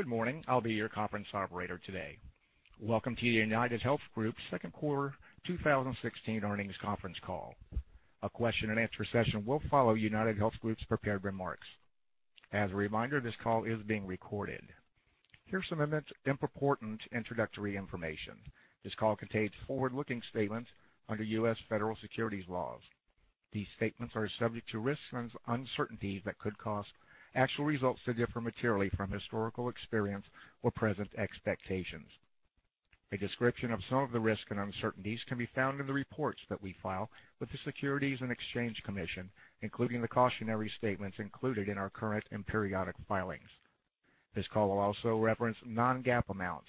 Good morning. I'll be your conference operator today. Welcome to the UnitedHealth Group second quarter 2016 earnings conference call. A question and answer session will follow UnitedHealth Group's prepared remarks. As a reminder, this call is being recorded. Here's some important introductory information. This call contains forward-looking statements under U.S. federal securities laws. These statements are subject to risks and uncertainties that could cause actual results to differ materially from historical experience or present expectations. A description of some of the risks and uncertainties can be found in the reports that we file with the Securities and Exchange Commission, including the cautionary statements included in our current and periodic filings. This call will also reference non-GAAP amounts.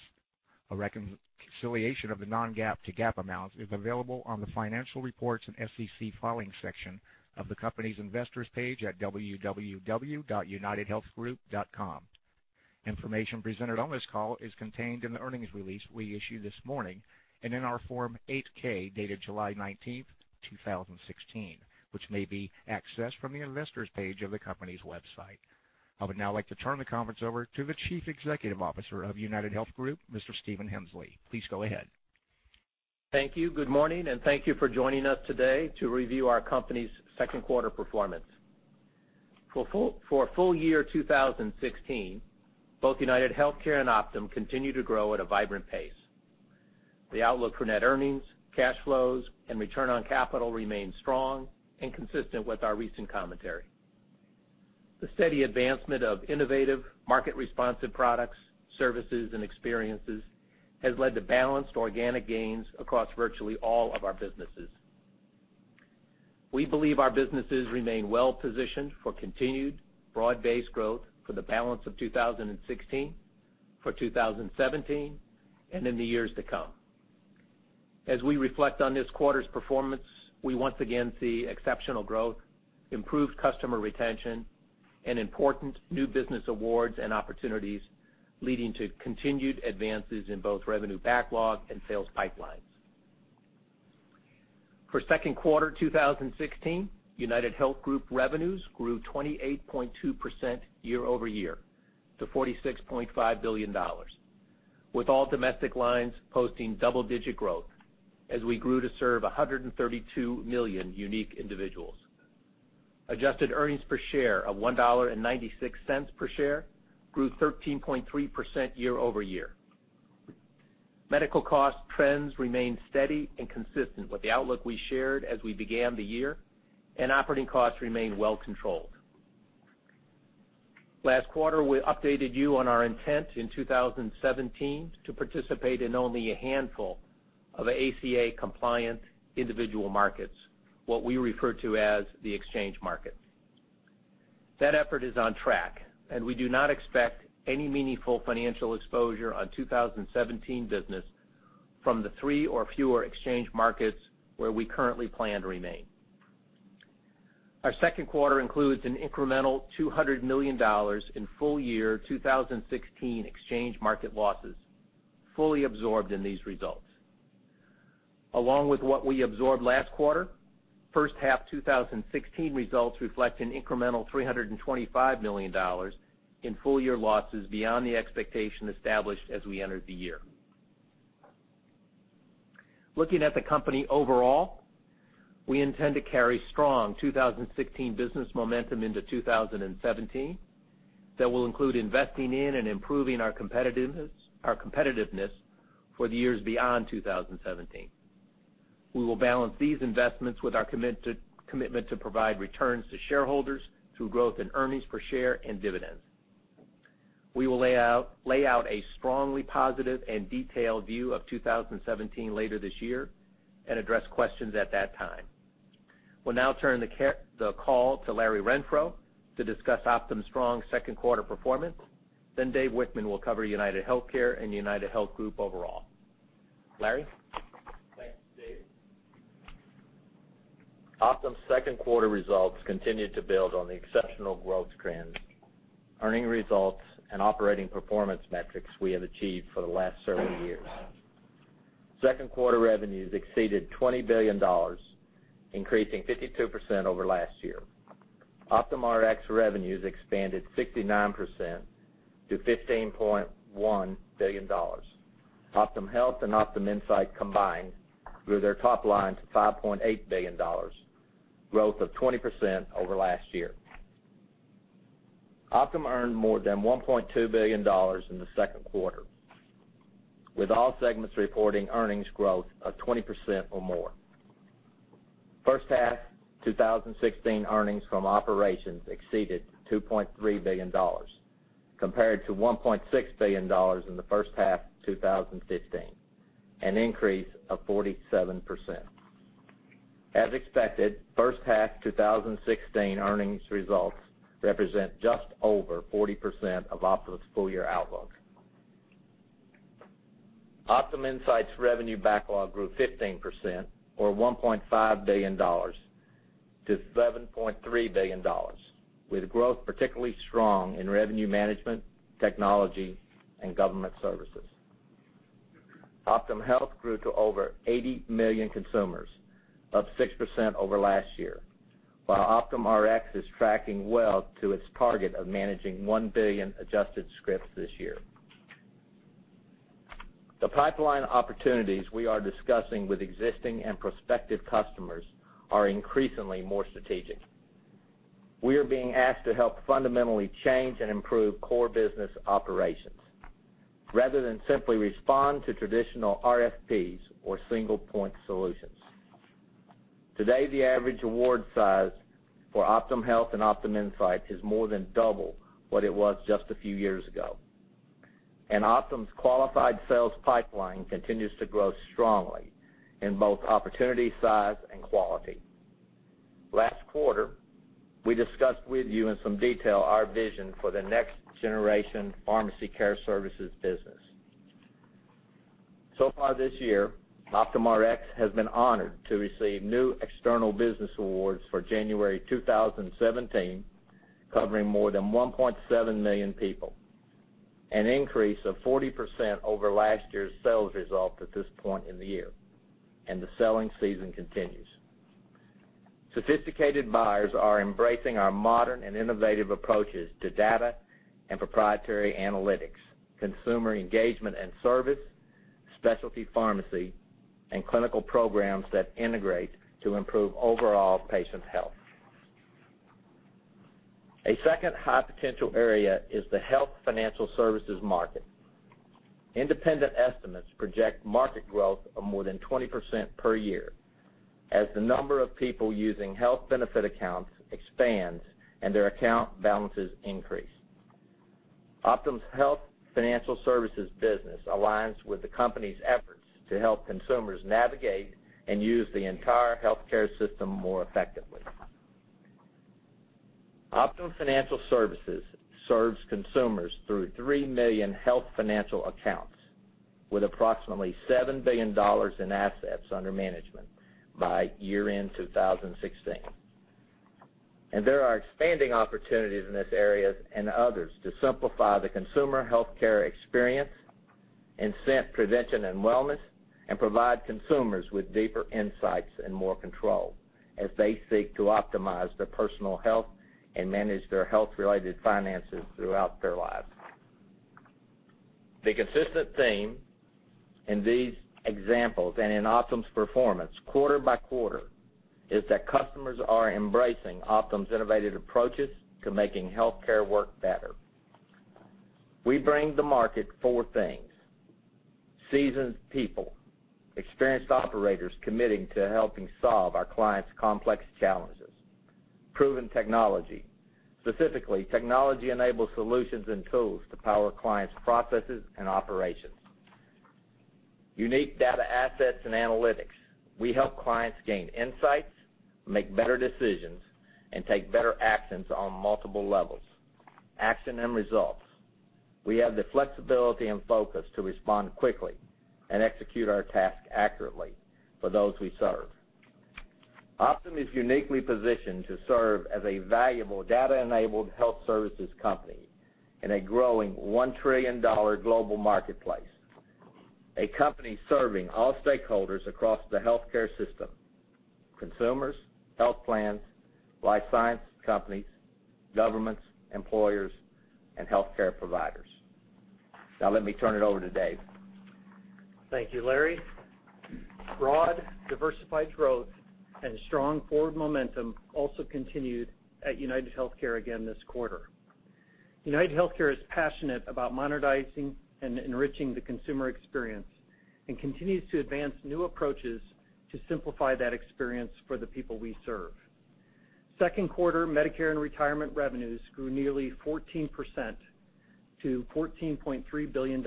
A reconciliation of the non-GAAP to GAAP amounts is available on the financial reports and SEC filings section of the company's investors page at www.unitedhealthgroup.com. Information presented on this call is contained in the earnings release we issued this morning and in our Form 8-K, dated July 19, 2016, which may be accessed from the investors page of the company's website. I would now like to turn the conference over to the Chief Executive Officer of UnitedHealth Group, Mr. Stephen Hemsley. Please go ahead. Thank you. Good morning, thank you for joining us today to review our company's second quarter performance. For full year 2016, both UnitedHealthcare and Optum continue to grow at a vibrant pace. The outlook for net earnings, cash flows, and return on capital remains strong and consistent with our recent commentary. The steady advancement of innovative market-responsive products, services, and experiences has led to balanced organic gains across virtually all of our businesses. We believe our businesses remain well-positioned for continued broad-based growth for the balance of 2016, for 2017, and in the years to come. As we reflect on this quarter's performance, we once again see exceptional growth, improved customer retention, and important new business awards and opportunities leading to continued advances in both revenue backlog and sales pipelines. For second quarter 2016, UnitedHealth Group revenues grew 28.2% year-over-year to $46.5 billion, with all domestic lines posting double-digit growth as we grew to serve 132 million unique individuals. Adjusted earnings per share of $1.96 per share grew 13.3% year-over-year. Medical cost trends remained steady and consistent with the outlook we shared as we began the year. Operating costs remained well controlled. Last quarter, we updated you on our intent in 2017 to participate in only a handful of ACA-compliant individual markets, what we refer to as the exchange market. That effort is on track. We do not expect any meaningful financial exposure on 2017 business from the three or fewer exchange markets where we currently plan to remain. Our second quarter includes an incremental $200 million in full year 2016 exchange market losses, fully absorbed in these results. Along with what we absorbed last quarter, first half 2016 results reflect an incremental $325 million in full-year losses beyond the expectation established as we entered the year. Looking at the company overall, we intend to carry strong 2016 business momentum into 2017 that will include investing in and improving our competitiveness for the years beyond 2017. We will balance these investments with our commitment to provide returns to shareholders through growth in earnings per share and dividends. We will lay out a strongly positive and detailed view of 2017 later this year and address questions at that time. We will now turn the call to Larry Renfro to discuss Optum's strong second quarter performance. Dave Wichmann will cover UnitedHealthcare and UnitedHealth Group overall. Larry? Thanks, Steve. Optum's second quarter results continued to build on the exceptional growth trends, earning results, and operating performance metrics we have achieved for the last several years. Second quarter revenues exceeded $20 billion, increasing 52% over last year. OptumRx revenues expanded 69% to $15.1 billion. OptumHealth and OptumInsight combined grew their top line to $5.8 billion, growth of 20% over last year. Optum earned more than $1.2 billion in the second quarter, with all segments reporting earnings growth of 20% or more. First half 2016 earnings from operations exceeded $2.3 billion compared to $1.6 billion in the first half 2015, an increase of 47%. As expected, first half 2016 earnings results represent just over 40% of Optum's full-year outlook. OptumInsight's revenue backlog grew 15%, or $1.5 billion, to $11.3 billion, with growth particularly strong in revenue management, technology, and government services. OptumHealth grew to over 80 million consumers, up 6% over last year, while OptumRx is tracking well to its target of managing 1 billion adjusted scripts this year. The pipeline opportunities we are discussing with existing and prospective customers are increasingly more strategic. We are being asked to help fundamentally change and improve core business operations rather than simply respond to traditional RFPs or single-point solutions. Today, the average award size for OptumHealth and OptumInsight is more than double what it was just a few years ago. Optum's qualified sales pipeline continues to grow strongly in both opportunity size and quality. Last quarter, we discussed with you in some detail our vision for the next-generation pharmacy care services business. Far this year, OptumRx has been honored to receive new external business awards for January 2017, covering more than 1.7 million people, an increase of 40% over last year's sales result at this point in the year, and the selling season continues. Sophisticated buyers are embracing our modern and innovative approaches to data and proprietary analytics, consumer engagement and service, specialty pharmacy, and clinical programs that integrate to improve overall patient health. A second high-potential area is the health financial services market. Independent estimates project market growth of more than 20% per year as the number of people using health benefit accounts expands and their account balances increase. Optum's health financial services business aligns with the company's efforts to help consumers navigate and use the entire healthcare system more effectively. Optum Financial Services serves consumers through 3 million health financial accounts, with approximately $7 billion in assets under management by year-end 2016. There are expanding opportunities in this area and others to simplify the consumer healthcare experience, incent prevention and wellness, and provide consumers with deeper insights and more control as they seek to optimize their personal health and manage their health-related finances throughout their lives. The consistent theme in these examples and in Optum's performance quarter by quarter is that customers are embracing Optum's innovative approaches to making healthcare work better. We bring the market four things. Seasoned people, experienced operators committing to helping solve our clients' complex challenges. Proven technology. Specifically, technology-enabled solutions and tools to power clients' processes and operations. Unique data assets and analytics. We help clients gain insights, make better decisions, and take better actions on multiple levels. Action and results. We have the flexibility and focus to respond quickly and execute our task accurately for those we serve. Optum is uniquely positioned to serve as a valuable data-enabled health services company in a growing $1 trillion global marketplace. A company serving all stakeholders across the healthcare system, consumers, health plans, life science companies, governments, employers, and healthcare providers. Now let me turn it over to Dave. Thank you, Larry. Broad, diversified growth and strong forward momentum also continued at UnitedHealthcare again this quarter. UnitedHealthcare is passionate about modernizing and enriching the consumer experience and continues to advance new approaches to simplify that experience for the people we serve. Second quarter Medicare and Retirement revenues grew nearly 14% to $14.3 billion.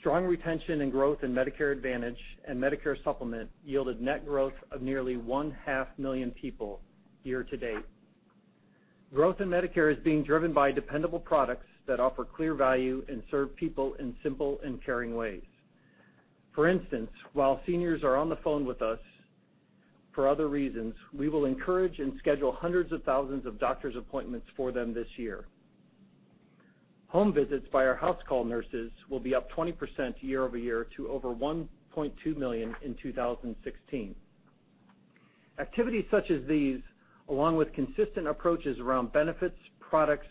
Strong retention and growth in Medicare Advantage and Medicare Supplement yielded net growth of nearly one-half million people year to date. Growth in Medicare is being driven by dependable products that offer clear value and serve people in simple and caring ways. For instance, while seniors are on the phone with us for other reasons, we will encourage and schedule hundreds of thousands of doctor's appointments for them this year. Home visits by our house call nurses will be up 20% year over year to over 1.2 million in 2016. Activities such as these, along with consistent approaches around benefits, products,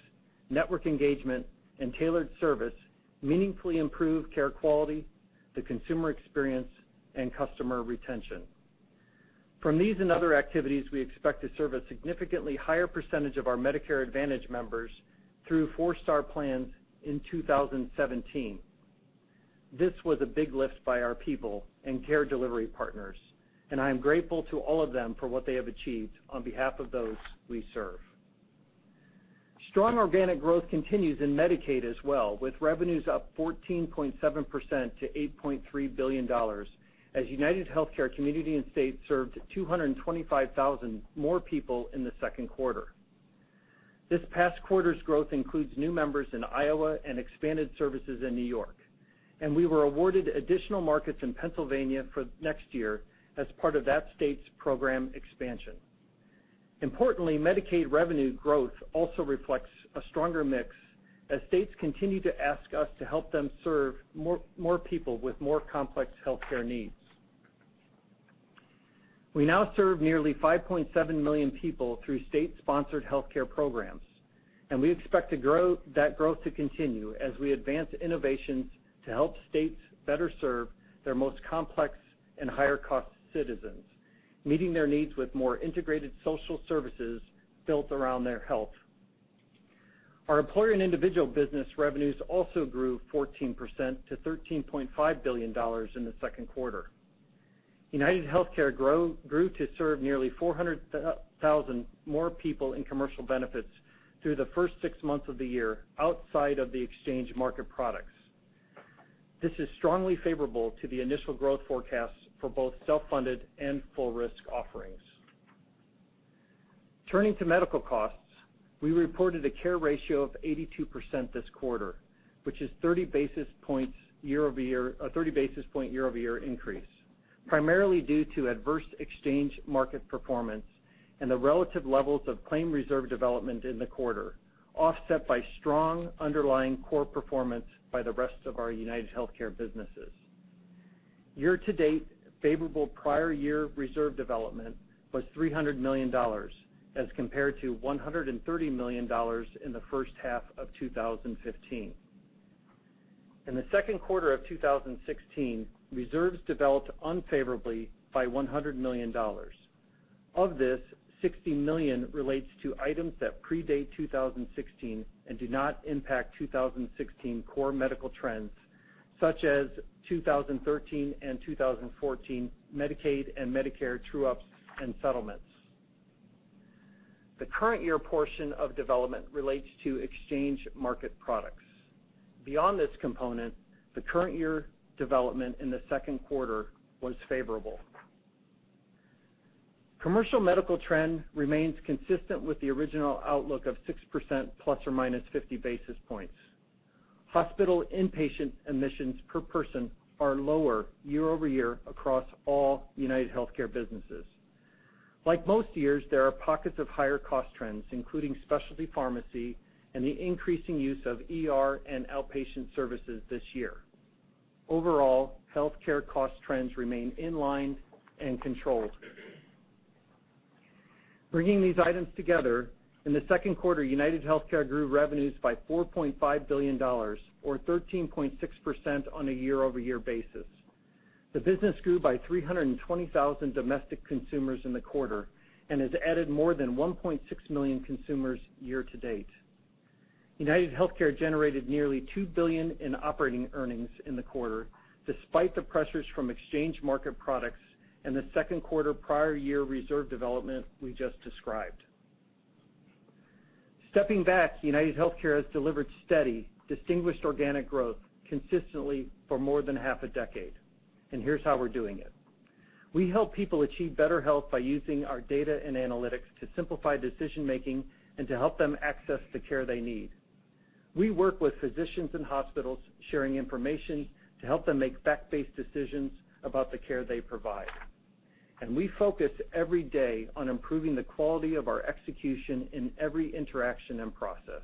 network engagement, and tailored service meaningfully improve care quality, the consumer experience, and customer retention. From these and other activities, we expect to serve a significantly higher percentage of our Medicare Advantage members through four-star plans in 2017. This was a big lift by our people and care delivery partners, and I am grateful to all of them for what they have achieved on behalf of those we serve. Strong organic growth continues in Medicaid as well, with revenues up 14.7% to $8.3 billion as UnitedHealthcare community and state served 225,000 more people in the second quarter. This past quarter's growth includes new members in Iowa and expanded services in New York, and we were awarded additional markets in Pennsylvania for next year as part of that state's program expansion. Importantly, Medicaid revenue growth also reflects a stronger mix as states continue to ask us to help them serve more people with more complex healthcare needs. We now serve nearly 5.7 million people through state-sponsored healthcare programs, and we expect that growth to continue as we advance innovations to help states better serve their most complex and higher-cost citizens, meeting their needs with more integrated social services built around their health. Our employer and individual business revenues also grew 14% to $13.5 billion in the second quarter. UnitedHealthcare grew to serve nearly 400,000 more people in commercial benefits through the first six months of the year outside of the exchange market products. This is strongly favorable to the initial growth forecast for both self-funded and full risk offerings. Turning to medical costs, we reported a care ratio of 82% this quarter, which is a 30-basis point year-over-year increase, primarily due to adverse exchange market performance and the relative levels of claim reserve development in the quarter, offset by strong underlying core performance by the rest of our UnitedHealthcare businesses. Year-to-date favorable prior year reserve development was $300 million as compared to $130 million in the first half of 2015. In the second quarter of 2016, reserves developed unfavorably by $100 million. Of this, $60 million relates to items that predate 2016 and do not impact 2016 core medical trends, such as 2013 and 2014 Medicaid and Medicare true-ups and settlements. The current year portion of development relates to exchange market products. Beyond this component, the current year development in the second quarter was favorable. Commercial medical trend remains consistent with the original outlook of 6% ±50 basis points. Hospital inpatient admissions per person are lower year-over-year across all UnitedHealthcare businesses. Like most years, there are pockets of higher cost trends, including specialty pharmacy and the increasing use of ER and outpatient services this year. Overall, healthcare cost trends remain in line and controlled. Bringing these items together, in the second quarter, UnitedHealthcare grew revenues by $4.5 billion or 13.6% on a year-over-year basis. The business grew by 320,000 domestic consumers in the quarter and has added more than 1.6 million consumers year-to-date. UnitedHealthcare generated nearly $2 billion in operating earnings in the quarter, despite the pressures from exchange market products and the second quarter prior year reserve development we just described. Stepping back, UnitedHealthcare has delivered steady, distinguished organic growth consistently for more than half a decade. Here's how we're doing it. We help people achieve better health by using our data and analytics to simplify decision-making and to help them access the care they need. We work with physicians and hospitals sharing information to help them make fact-based decisions about the care they provide. We focus every day on improving the quality of our execution in every interaction and process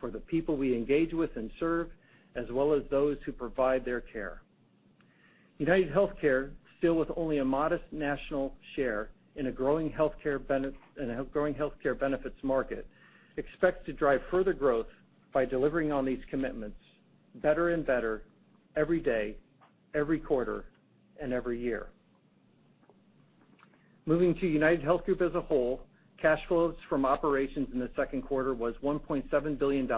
for the people we engage with and serve, as well as those who provide their care. UnitedHealthcare, still with only a modest national share in a growing healthcare benefits market, expects to drive further growth by delivering on these commitments better and better every day, every quarter, and every year. Moving to UnitedHealth Group as a whole, cash flows from operations in the second quarter was $1.7 billion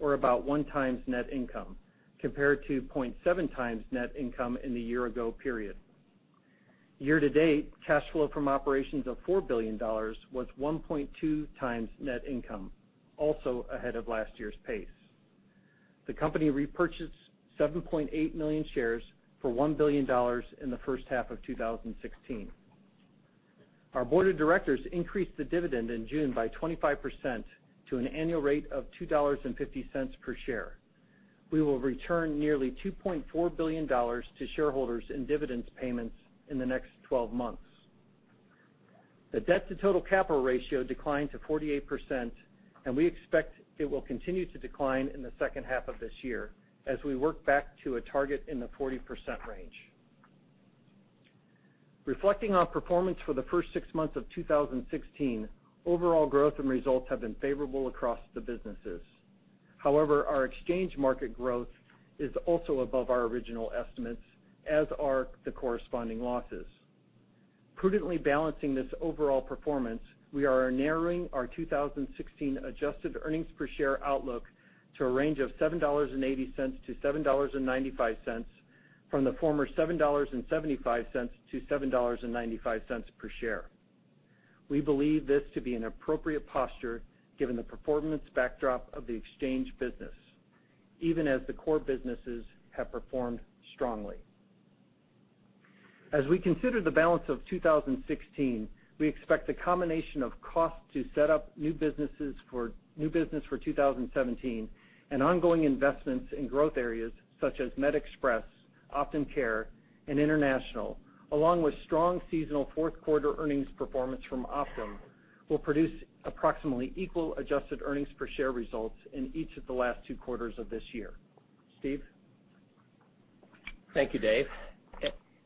or about one times net income, compared to 0.7 times net income in the year-ago period. Year to date, cash flow from operations of $4 billion was 1.2 times net income, also ahead of last year's pace. The company repurchased 7.8 million shares for $1 billion in the first half of 2016. Our board of directors increased the dividend in June by 25% to an annual rate of $2.50 per share. We will return nearly $2.4 billion to shareholders in dividends payments in the next 12 months. The debt-to-total capital ratio declined to 48%, and we expect it will continue to decline in the second half of this year as we work back to a target in the 40% range. Reflecting on performance for the first six months of 2016, overall growth and results have been favorable across the businesses. However, our exchange market growth is also above our original estimates, as are the corresponding losses. Prudently balancing this overall performance, we are narrowing our 2016 adjusted earnings per share outlook to a range of $7.80-$7.95 from the former $7.75-$7.95 per share. We believe this to be an appropriate posture given the performance backdrop of the exchange business, even as the core businesses have performed strongly. As we consider the balance of 2016, we expect a combination of cost to set up new business for 2017 and ongoing investments in growth areas such as MedExpress, Optum Care and international, along with strong seasonal fourth quarter earnings performance from Optum will produce approximately equal adjusted earnings per share results in each of the last two quarters of this year. Steve? Thank you, Dave.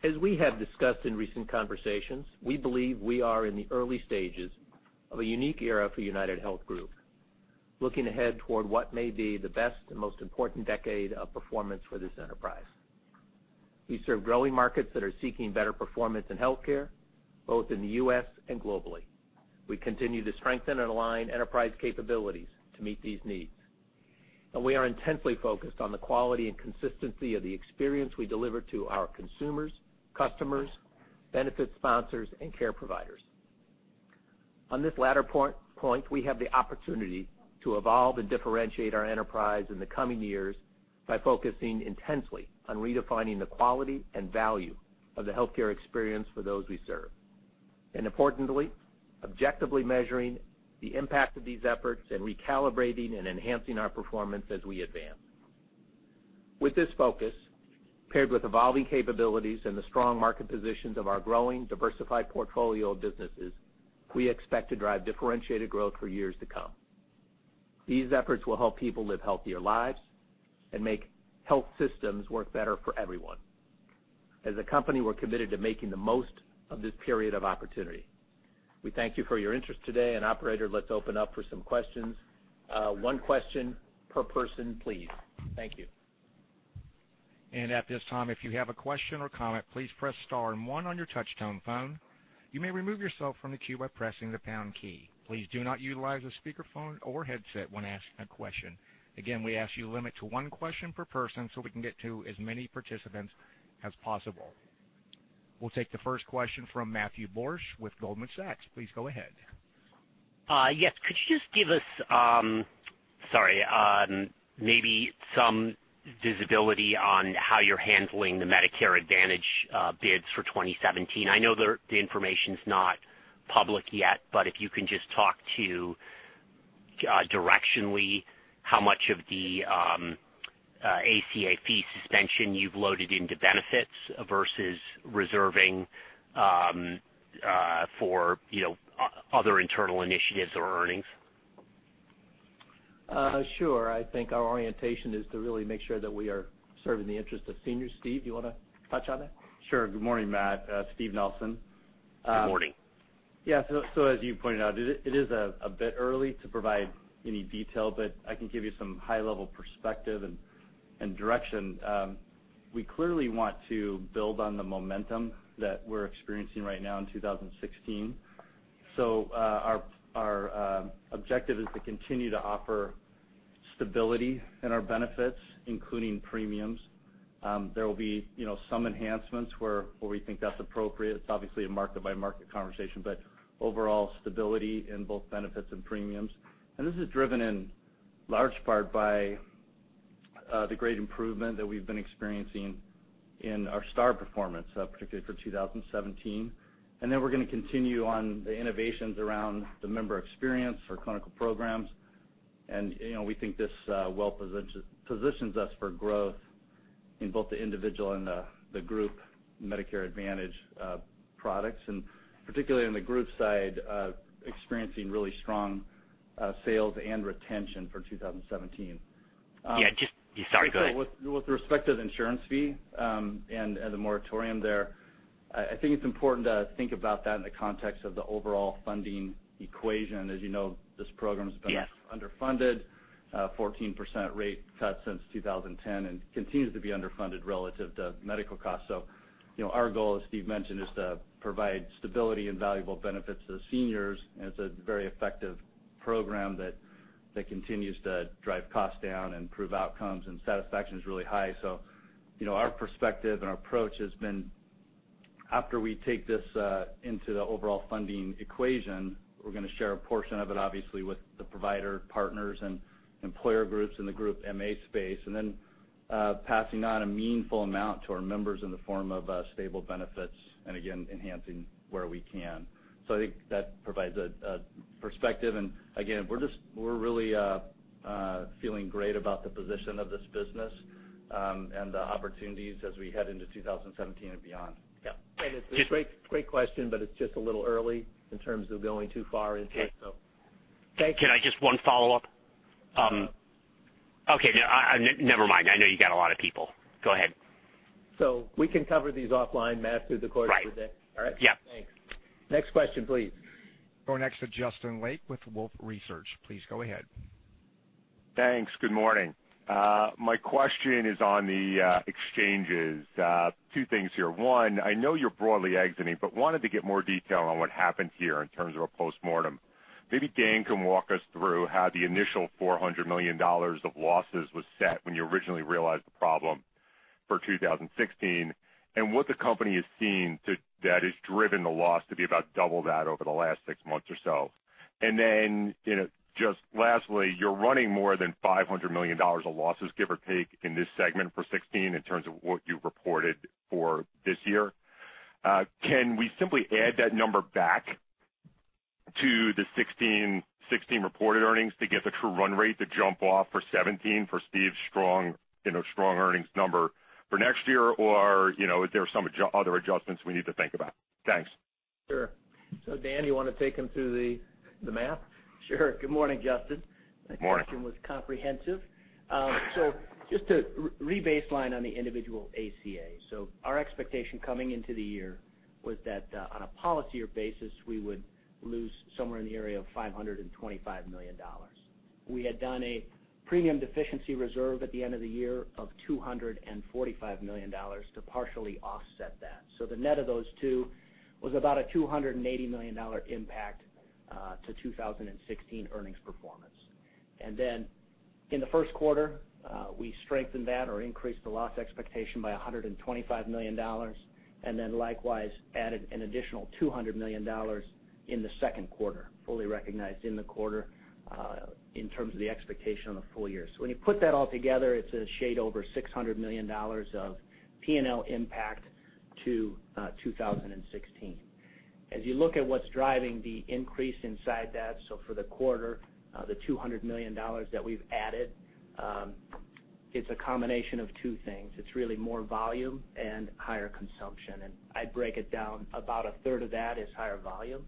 As we have discussed in recent conversations, we believe we are in the early stages of a unique era for UnitedHealth Group, looking ahead toward what may be the best and most important decade of performance for this enterprise. We serve growing markets that are seeking better performance in healthcare, both in the U.S. and globally. We continue to strengthen and align enterprise capabilities to meet these needs. We are intensely focused on the quality and consistency of the experience we deliver to our consumers, customers, benefit sponsors, and care providers. On this latter point, we have the opportunity to evolve and differentiate our enterprise in the coming years by focusing intensely on redefining the quality and value of the healthcare experience for those we serve. Importantly, objectively measuring the impact of these efforts and recalibrating and enhancing our performance as we advance. With this focus, paired with evolving capabilities and the strong market positions of our growing diversified portfolio of businesses, we expect to drive differentiated growth for years to come. These efforts will help people live healthier lives and make health systems work better for everyone. As a company, we're committed to making the most of this period of opportunity. We thank you for your interest today, operator, let's open up for some questions. One question per person, please. Thank you. At this time, if you have a question or comment, please press star and one on your touch tone phone. You may remove yourself from the queue by pressing the pound key. Please do not utilize a speakerphone or headset when asking a question. Again, we ask you limit to one question per person so we can get to as many participants as possible. We'll take the first question from Matthew Borsch with Goldman Sachs. Please go ahead. Yes. Could you just give us, sorry, maybe some visibility on how you're handling the Medicare Advantage bids for 2017? I know the information's not public yet, but if you can just talk to directionally how much of the ACA fee suspension you've loaded into benefits versus reserving for other internal initiatives or earnings. Sure. I think our orientation is to really make sure that we are serving the interest of seniors. Steve, do you want to touch on that? Sure. Good morning, Matt. Steve Nelson. Good morning. Yeah. As you pointed out, it is a bit early to provide any detail, but I can give you some high-level perspective and direction. We clearly want to build on the momentum that we're experiencing right now in 2016. Our objective is to continue to offer stability in our benefits, including premiums. There will be some enhancements where we think that's appropriate. It's obviously a market-by-market conversation, but overall stability in both benefits and premiums. This is driven in large part by the great improvement that we've been experiencing in our star performance, particularly for 2017. Then we're going to continue on the innovations around the member experience for clinical programs. We think this well positions us for growth in both the individual and the group Medicare Advantage products, and particularly on the group side, experiencing really strong sales and retention for 2017. Yeah, just Sorry, go ahead. With respect to the insurance fee and the moratorium there, I think it's important to think about that in the context of the overall funding equation. As you know, this program has been- Yes underfunded, 14% rate cut since 2010 and continues to be underfunded relative to medical costs. Our goal, as Steve mentioned, is to provide stability and valuable benefits to the seniors, it's a very effective program that continues to drive costs down and improve outcomes, and satisfaction is really high. Our perspective and our approach has been, after we take this into the overall funding equation, we're going to share a portion of it, obviously, with the provider partners and employer groups in the group MA space, then passing on a meaningful amount to our members in the form of stable benefits, again, enhancing where we can. I think that provides a perspective, again, we're really feeling great about the position of this business and the opportunities as we head into 2017 and beyond. Yeah. It's a great question, it's just a little early in terms of going too far into it. Okay. Thank you. Can I just one follow-up? Okay, never mind. I know you got a lot of people. Go ahead. We can cover these offline, Matt, through the course of the day. Right. All right? Yeah. Thanks. Next question, please. Going next to Justin Lake with Wolfe Research. Please go ahead. Thanks. Good morning. My question is on the exchanges. Two things here. One, I know you're broadly exiting, but wanted to get more detail on what happened here in terms of a postmortem. Maybe Dan can walk us through how the initial $400 million of losses was set when you originally realized the problem for 2016, and what the company has seen that has driven the loss to be about double that over the last six months or so. Lastly, you're running more than $500 million of losses, give or take, in this segment for 2016 in terms of what you've reported for this year. Can we simply add that number back to the 2016 reported earnings to get the true run rate to jump off for 2017 for Steve's strong earnings number for next year, or is there some other adjustments we need to think about? Thanks. Sure. Dan, you want to take him through the math? Sure. Good morning, Justin. Morning. That question was comprehensive. Just to re-baseline on the individual ACA. Our expectation coming into the year was that, on a policy year basis, we would lose somewhere in the area of $525 million. We had done a premium deficiency reserve at the end of the year of $245 million to partially offset that. The net of those two was about a $280 million impact to 2016 earnings performance. In the first quarter, we strengthened that or increased the loss expectation by $125 million, and likewise added an additional $200 million in the second quarter, fully recognized in the quarter, in terms of the expectation on the full year. When you put that all together, it's a shade over $600 million of P&L impact to 2016. As you look at what's driving the increase inside that, for the quarter, the $200 million that we've added, it's a combination of two things. It's really more volume and higher consumption. I'd break it down, about a third of that is higher volume.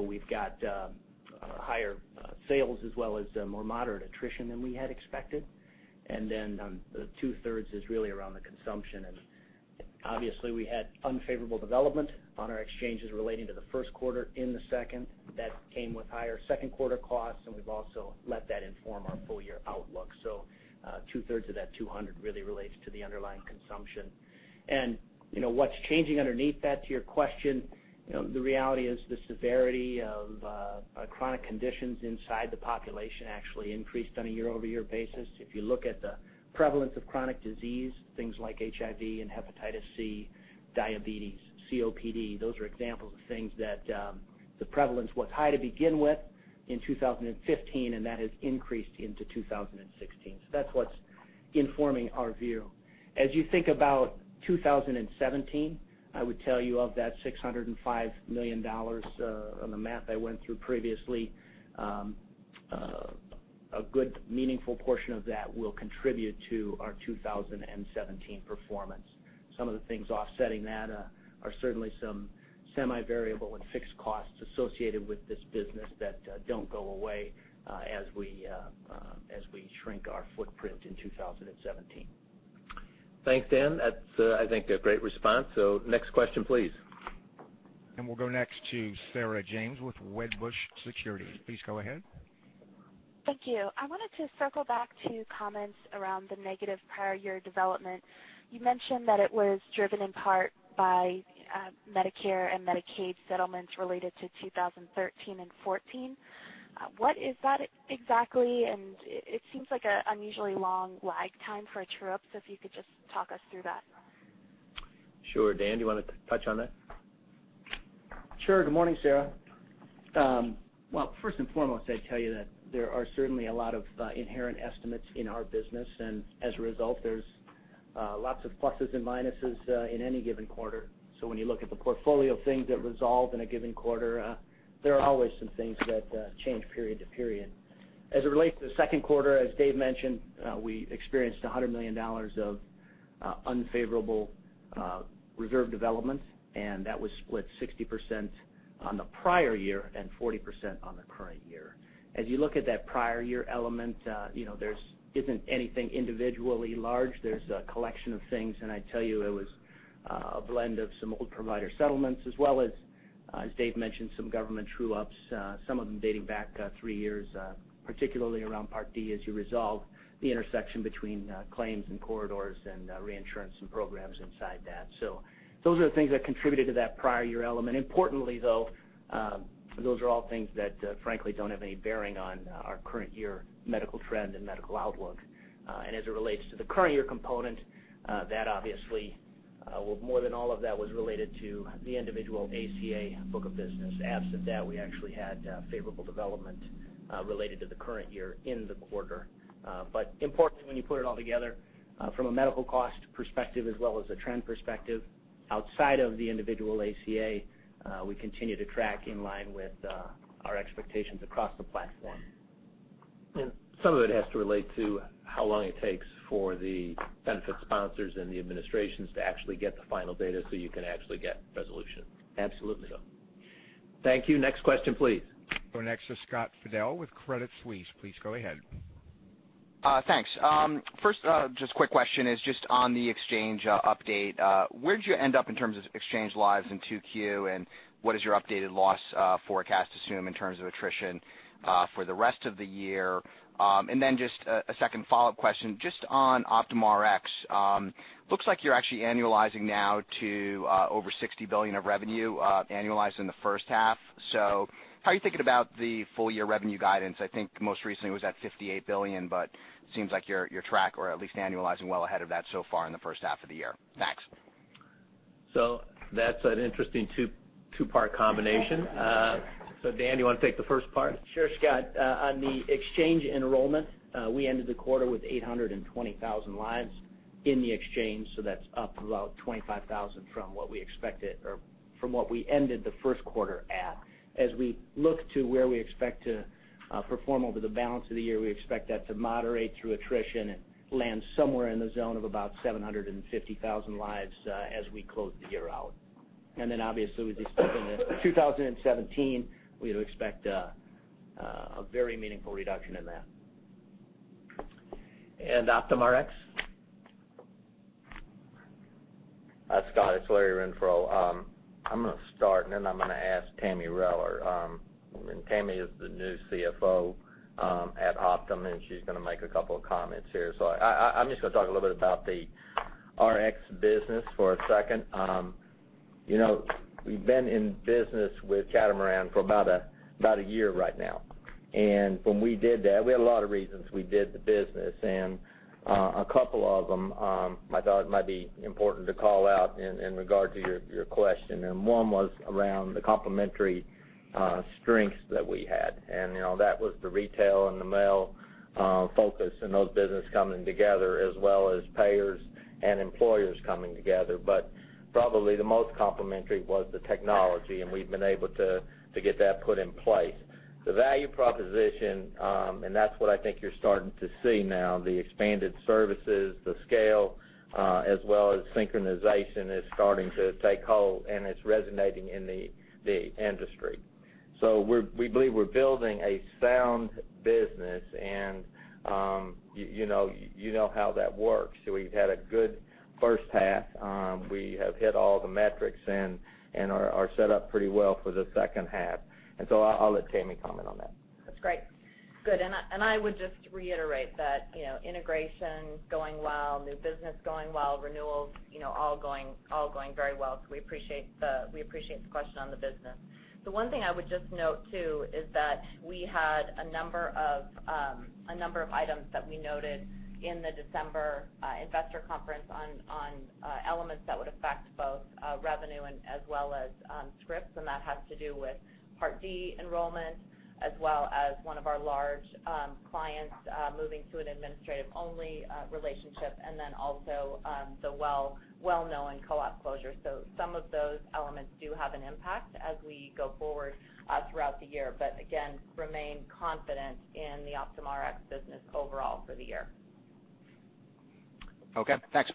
We've got higher sales as well as a more moderate attrition than we had expected. The two-thirds is really around the consumption. Obviously, we had unfavorable development on our exchanges relating to the first quarter in the second that came with higher second quarter costs, and we've also let that inform our full year outlook. Two-thirds of that $200 really relates to the underlying consumption. What's changing underneath that, to your question, the reality is the severity of chronic conditions inside the population actually increased on a year-over-year basis. If you look at the prevalence of chronic disease, things like HIV and hepatitis C, diabetes, COPD, those are examples of things that the prevalence was high to begin with in 2015, and that has increased into 2016. That's what's informing our view. As you think about 2017, I would tell you of that $605 million on the math I went through previously, a good meaningful portion of that will contribute to our 2017 performance. Some of the things offsetting that are certainly some semi-variable and fixed costs associated with this business that don't go away as we shrink our footprint in 2017. Thanks, Dan. That's, I think, a great response. Next question, please. We'll go next to Sarah James with Wedbush Securities. Please go ahead. Thank you. I wanted to circle back to comments around the negative prior year development. You mentioned that it was driven in part by Medicare and Medicaid settlements related to 2013 and '14. What is that exactly? It seems like an unusually long lag time for a true-up, so if you could just talk us through that. Sure. Dan, do you want to touch on that? Sure. Good morning, Sarah. Well, first and foremost, I'd tell you that there are certainly a lot of inherent estimates in our business, as a result, there's lots of pluses and minuses in any given quarter. When you look at the portfolio of things that resolve in a given quarter, there are always some things that change period to period. As it relates to the second quarter, as Dave mentioned, we experienced $100 million of unfavorable reserve developments, and that was split 60% on the prior year and 40% on the current year. As you look at that prior year element, there isn't anything individually large. There's a collection of things, I'd tell you it was a blend of some old provider settlements as well as Dave mentioned, some government true-ups, some of them dating back three years, particularly around Part D as you resolve the intersection between claims and corridors and reinsurance and programs inside that. Those are the things that contributed to that prior year element. Importantly, though, those are all things that frankly don't have any bearing on our current year medical trend and medical outlook. As it relates to the current year component, that obviously, well, more than all of that was related to the individual ACA book of business. Absent that, we actually had favorable development related to the current year in the quarter. Importantly, when you put it all together, from a medical cost perspective as well as a trend perspective, outside of the individual ACA, we continue to track in line with our expectations across the platform. Some of it has to relate to how long it takes for the benefit sponsors and the administrations to actually get the final data so you can actually get resolution. Absolutely. Thank you. Next question, please. Go next to Scott Fidel with Credit Suisse. Please go ahead. Thanks. First, just quick question is just on the exchange update. Where'd you end up in terms of exchange lives in 2Q, and what is your updated loss forecast assume in terms of attrition for the rest of the year? Just a second follow-up question, just on OptumRx. Looks like you're actually annualizing now to over $60 billion of revenue annualized in the first half. How are you thinking about the full year revenue guidance? I think most recently it was at $58 billion, but seems like you're track or at least annualizing well ahead of that so far in the first half of the year. Thanks. That's an interesting two-part combination. Dan, you want to take the first part? Sure, Scott. On the exchange enrollment, we ended the quarter with 820,000 lives in the exchange, so that's up about 25,000 from what we expected or from what we ended the first quarter at. As we look to where we expect to perform over the balance of the year, we expect that to moderate through attrition and land somewhere in the zone of about 750,000 lives as we close the year out. Obviously, as we step into 2017, we'd expect a very meaningful reduction in that. OptumRx? Scott, it's Larry Renfro. I'm going to start, I'm going to ask Tami Reller. Tammy is the new CFO at Optum, she's going to make a couple of comments here. I'm just going to talk a little bit about the Rx business for a second. We've been in business with Catamaran for about a year right now. When we did that, we had a lot of reasons we did the business, a couple of them I thought might be important to call out in regard to your question. One was around the complementary strengths that we had, that was the retail and the mail focus and those business coming together, as well as payers and employers coming together. Probably the most complementary was the technology, we've been able to get that put in place. The value proposition, and that's what I think you're starting to see now, the expanded services, the scale, as well as synchronization, is starting to take hold. It's resonating in the industry. We believe we're building a sound business, and you know how that works. We've had a good first half. We have hit all the metrics and are set up pretty well for the second half. I'll let Tami comment on that. That's great. Good. I would just reiterate that integration is going well, new business going well, renewals, all going very well. We appreciate the question on the business. The one thing I would just note, too, is that we had a number of items that we noted in the December investor conference on elements that would affect both revenue as well as scripts. That has to do with Part D enrollment, as well as one of our large clients moving to an administrative-only relationship, and then also the well known co-op closure. Some of those elements do have an impact as we go forward throughout the year, but again, remain confident in the OptumRx business overall for the year. Okay, thanks.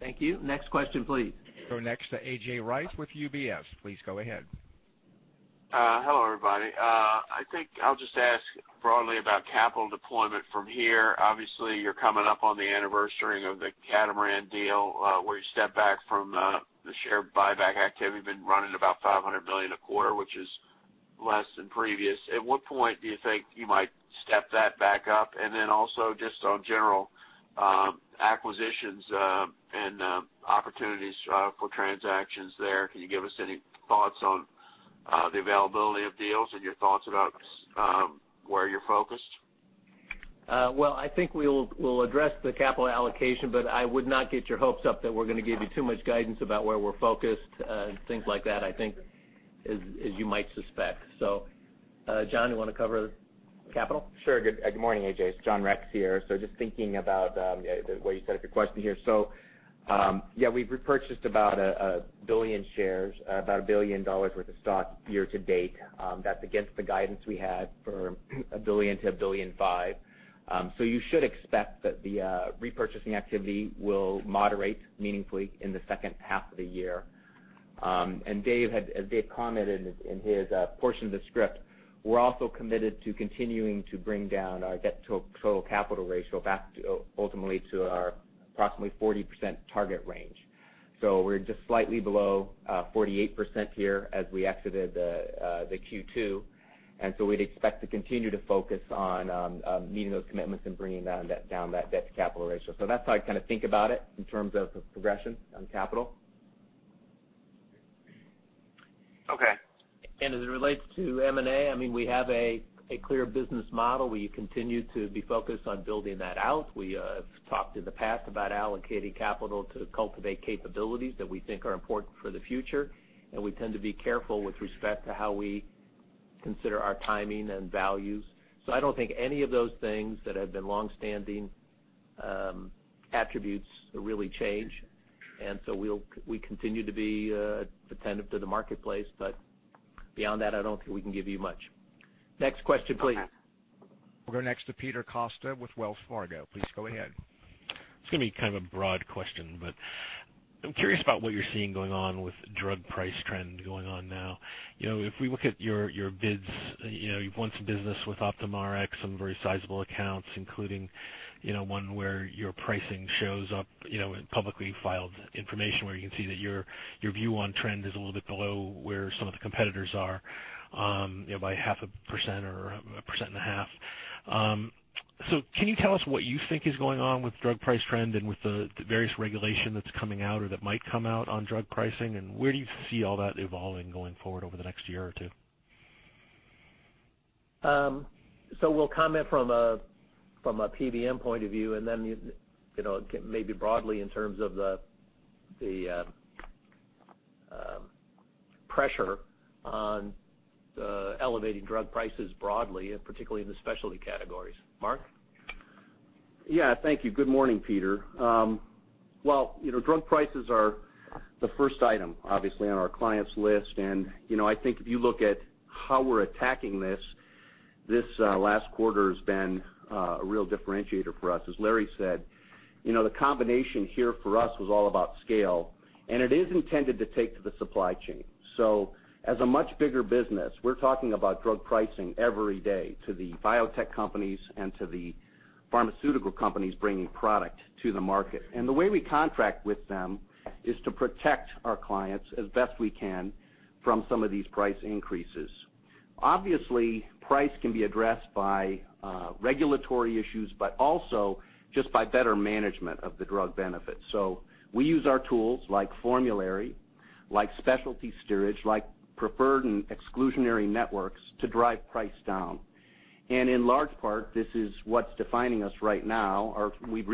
Thank you. Next question, please. Go next to A.J. Rice with UBS. Please go ahead. Hello, everybody. I think I'll just ask broadly about capital deployment from here. Obviously, you're coming up on the anniversary of the Catamaran deal, where you step back from the share buyback activity. You've been running about $500 million a quarter, which is less than previous. At what point do you think you might step that back up? Also just on general acquisitions and opportunities for transactions there, can you give us any thoughts on the availability of deals and your thoughts about where you're focused? Well, I think we'll address the capital allocation, I would not get your hopes up that we're going to give you too much guidance about where we're focused and things like that, I think as you might suspect. John, you want to cover capital? Sure. Good morning, A.J. It's John Rex here. Just thinking about the way you set up your question here. Yeah, we've repurchased about $1 billion shares, about $1 billion worth of stock year to date. That's against the guidance we had for $1 billion to $1.5 billion. You should expect that the repurchasing activity will moderate meaningfully in the second half of the year. Dave commented in his portion of the script, we're also committed to continuing to bring down our debt to total capital ratio back ultimately to our approximately 40% target range. We're just slightly below 48% here as we exited the Q2, we'd expect to continue to focus on meeting those commitments and bringing down that debt to capital ratio. That's how I think about it in terms of the progression on capital. Okay. As it relates to M&A, we have a clear business model. We continue to be focused on building that out. We have talked in the past about allocating capital to cultivate capabilities that we think are important for the future, and we tend to be careful with respect to how we consider our timing and values. I don't think any of those things that have been longstanding attributes really change. We continue to be attentive to the marketplace, but beyond that, I don't think we can give you much. Next question, please. We'll go next to Peter Costa with Wells Fargo. Please go ahead. It's going to be kind of a broad question, but I'm curious about what you're seeing going on with drug price trend going on now. If we look at your bids, you've won some business with OptumRx, some very sizable accounts, including one where your pricing shows up in publicly filed information where you can see that your view on trend is a little bit below where some of the competitors are by 0.5% or 1.5%. Can you tell us what you think is going on with drug price trend and with the various regulation that's coming out or that might come out on drug pricing, and where do you see all that evolving going forward over the next year or two? We'll comment from a PBM point of view, and then maybe broadly in terms of the pressure on the elevated drug prices broadly, particularly in the specialty categories. Mark? Yeah, thank you. Good morning, Peter. Well, drug prices are the first item, obviously, on our clients' list, I think if you look at how we're attacking this last quarter has been a real differentiator for us. As Larry said, the combination here for us was all about scale, it is intended to take to the supply chain. As a much bigger business, we're talking about drug pricing every day to the biotech companies and to the pharmaceutical companies bringing product to the market. The way we contract with them is to protect our clients as best we can from some of these price increases. Obviously, price can be addressed by regulatory issues, also just by better management of the drug benefit. We use our tools like formulary, like specialty steerage, like preferred and exclusionary networks to drive price down. In large part, this is what's defining us right now, or we've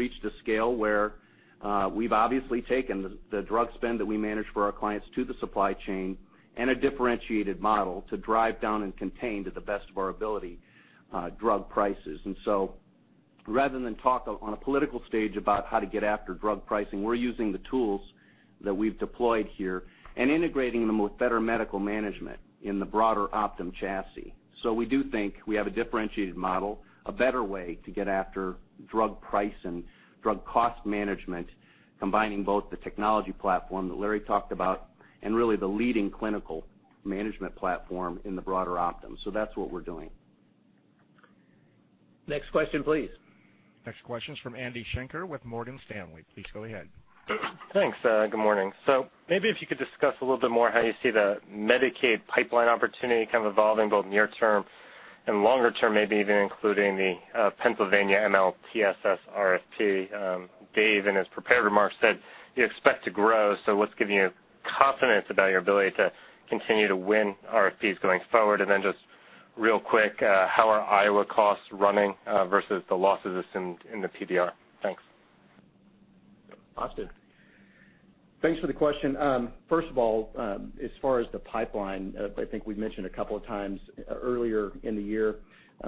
obviously taken the drug spend that we manage for our clients to the supply chain and a differentiated model to drive down and contain, to the best of our ability, drug prices. Rather than talk on a political stage about how to get after drug pricing, we're using the tools that we've deployed here and integrating them with better medical management in the broader Optum chassis. We do think we have a differentiated model, a better way to get after drug price and drug cost management, combining both the technology platform that Larry talked about and really the leading clinical management platform in the broader Optum. That's what we're doing. Next question, please. Next question's from Andrew Schenker with Morgan Stanley. Please go ahead. Thanks. Good morning. Maybe if you could discuss a little bit more how you see the Medicaid pipeline opportunity kind of evolving, both near term and longer term, maybe even including the Pennsylvania MLTSS RFP. Dave, in his prepared remarks, said you expect to grow, what's giving you confidence about your ability to continue to win RFPs going forward? Then just real quick, how are Iowa costs running versus the losses assumed in the PDR? Thanks. Austin. Thanks for the question. First of all, as far as the pipeline, I think we've mentioned a couple of times earlier in the year,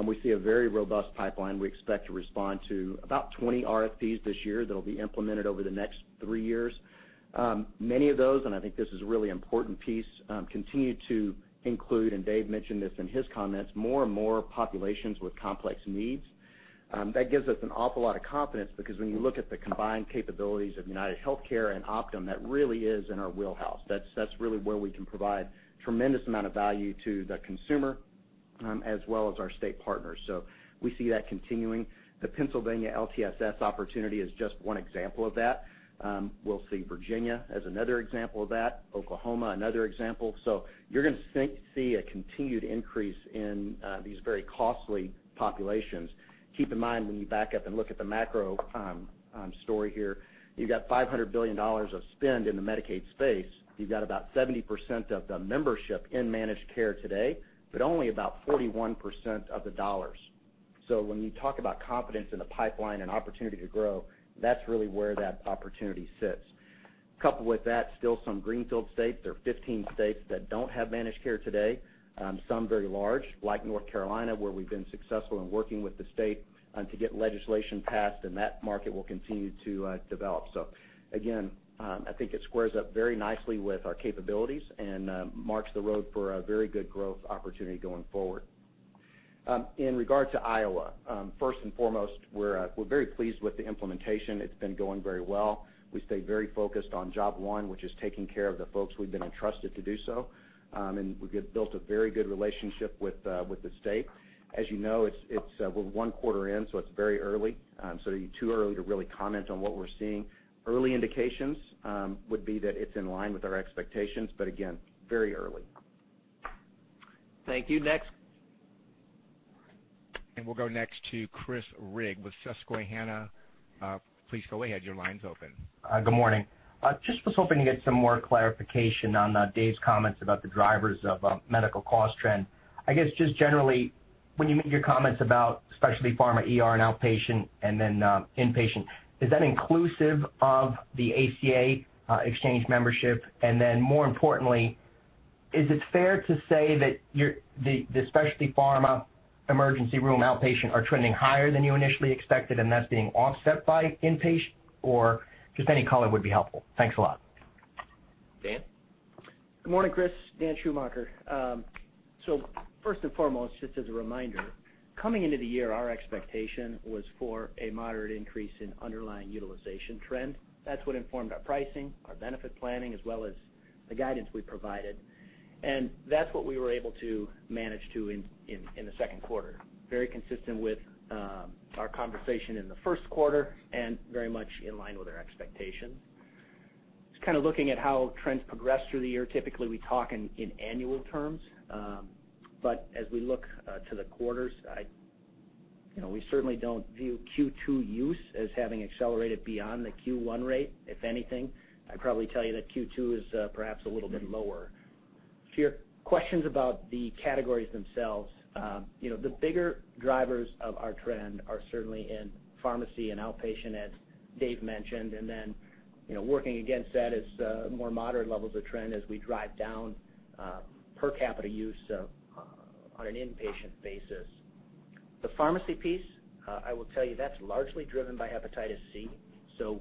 we see a very robust pipeline. We expect to respond to about 20 RFPs this year that will be implemented over the next three years. Many of those, and I think this is a really important piece, continue to include, and Dave mentioned this in his comments, more and more populations with complex needs. That gives us an awful lot of confidence, because when you look at the combined capabilities of UnitedHealthcare and Optum, that really is in our wheelhouse. That's really where we can provide tremendous amount of value to the consumer, as well as our state partners. We see that continuing. The Pennsylvania MLTSS opportunity is just one example of that. We'll see Virginia as another example of that, Oklahoma, another example. You're going to see a continued increase in these very costly populations. Keep in mind, when you back up and look at the macro story here, you've got $500 billion of spend in the Medicaid space. You've got about 70% of the membership in managed care today, but only about 41% of the dollars. When you talk about confidence in the pipeline and opportunity to grow, that's really where that opportunity sits. Coupled with that, still some greenfield states. There are 15 states that don't have managed care today. Some very large, like North Carolina, where we've been successful in working with the state to get legislation passed, and that market will continue to develop. Again, I think it squares up very nicely with our capabilities and marks the road for a very good growth opportunity going forward. In regard to Iowa, first and foremost, we're very pleased with the implementation. It's been going very well. We stay very focused on job one, which is taking care of the folks we've been entrusted to do so. We built a very good relationship with the state. As you know, we're one quarter in, so it's very early. Too early to really comment on what we're seeing. Early indications would be that it's in line with our expectations, but again, very early. Thank you. Next. We'll go next to Chris Rigg with Susquehanna. Please go ahead. Your line's open. Good morning. Just was hoping to get some more clarification on Dave's comments about the drivers of medical cost trend. I guess, just generally, when you make your comments about specialty pharma, ER, and outpatient, and then inpatient, is that inclusive of the ACA exchange membership? More importantly, is it fair to say that the specialty pharma emergency room outpatient are trending higher than you initially expected, and that's being offset by inpatient, or just any color would be helpful. Thanks a lot. Dan? Good morning, Chris. Dan Schumacher. First and foremost, just as a reminder, coming into the year, our expectation was for a moderate increase in underlying utilization trend. That's what informed our pricing, our benefit planning, as well as the guidance we provided. That's what we were able to manage to in the second quarter. Very consistent with our conversation in the first quarter and very much in line with our expectations. Looking at how trends progress through the year, typically, we talk in annual terms. As we look to the quarters, we certainly don't view Q2 use as having accelerated beyond the Q1 rate. If anything, I'd probably tell you that Q2 is perhaps a little bit lower. To your questions about the categories themselves, the bigger drivers of our trend are certainly in pharmacy and outpatient E.D. Dave mentioned, and then working against that is more moderate levels of trend as we drive down per capita use on an inpatient basis. The pharmacy piece, I will tell you, that's largely driven by hepatitis C.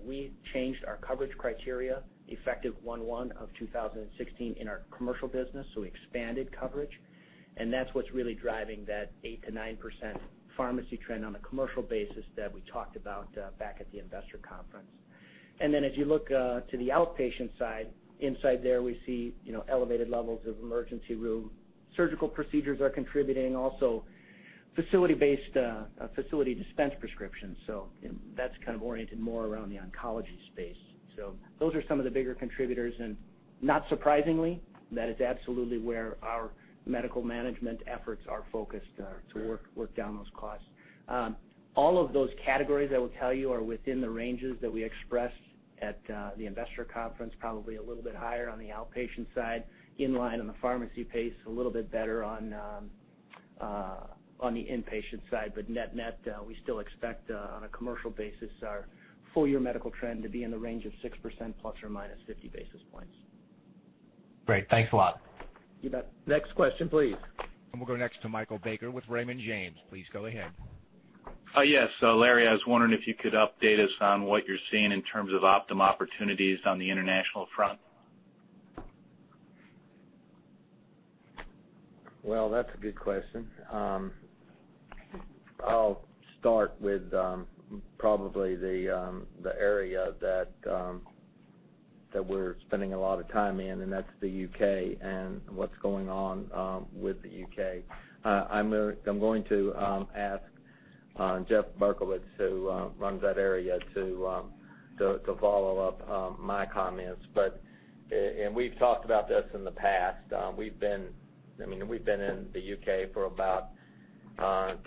We changed our coverage criteria effective 1/1/2016 in our commercial business, so we expanded coverage, and that's what's really driving that 8%-9% pharmacy trend on a commercial basis that we talked about back at the investor conference. As you look to the outpatient side, inside there we see elevated levels of emergency room. Surgical procedures are contributing, also facility-based, facility dispense prescriptions. That's oriented more around the oncology space. Those are some of the bigger contributors, not surprisingly, that is absolutely where our medical management efforts are focused to work down those costs. All of those categories, I will tell you, are within the ranges that we expressed at the investor conference, probably a little bit higher on the outpatient side, in line on the pharmacy piece, a little bit better on the inpatient side. Net net, we still expect, on a commercial basis, our full-year medical trend to be in the range of 6% ±50 basis points. Great. Thanks a lot. You bet. Next question, please. We'll go next to Michael Baker with Raymond James. Please go ahead. Yes. Larry, I was wondering if you could update us on what you're seeing in terms of Optum opportunities on the international front. Well, that's a good question. I'll start with probably the area that we're spending a lot of time in, and that's the U.K. and what's going on with the U.K. I'm going to ask Jeff Berkowitz, who runs that area, to follow up my comments. We've talked about this in the past, we've been in the U.K. for about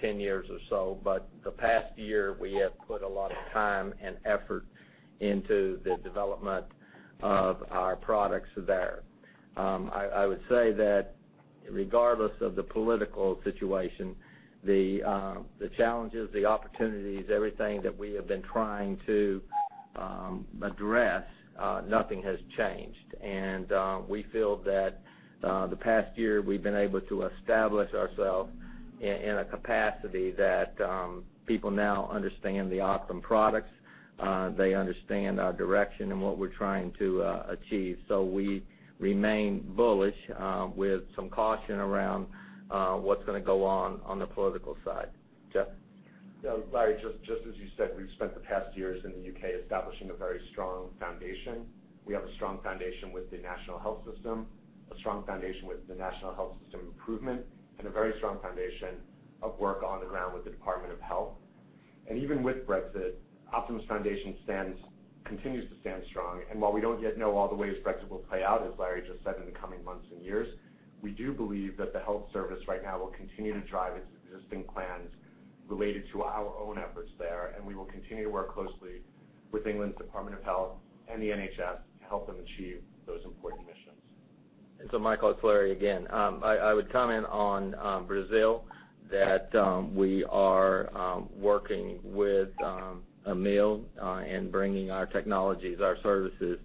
10 years or so, but the past year, we have put a lot of time and effort into the development of our products there. I would say that regardless of the political situation, the challenges, the opportunities, everything that we have been trying to address, nothing has changed. We feel that the past year we've been able to establish ourselves in a capacity that people now understand the Optum products, they understand our direction and what we're trying to achieve. We remain bullish, with some caution around what's going to go on the political side. Jeff? Yeah, Larry, just as you said, we've spent the past years in the U.K. establishing a very strong foundation. We have a strong foundation with the National Health Service, a strong foundation with the National Health Service Improvement, and a very strong foundation of work on the ground with the Department of Health. Even with Brexit, Optum's foundation continues to stand strong. While we don't yet know all the ways Brexit will play out, as Larry just said, in the coming months and years, we do believe that the health service right now will continue to drive its existing plans related to our own efforts there, and we will continue to work closely with England's Department of Health and the NHS to help them achieve those important missions. Michael, it's Larry again. I would comment on Brazil, that we are working with Amil in bringing our technologies, our services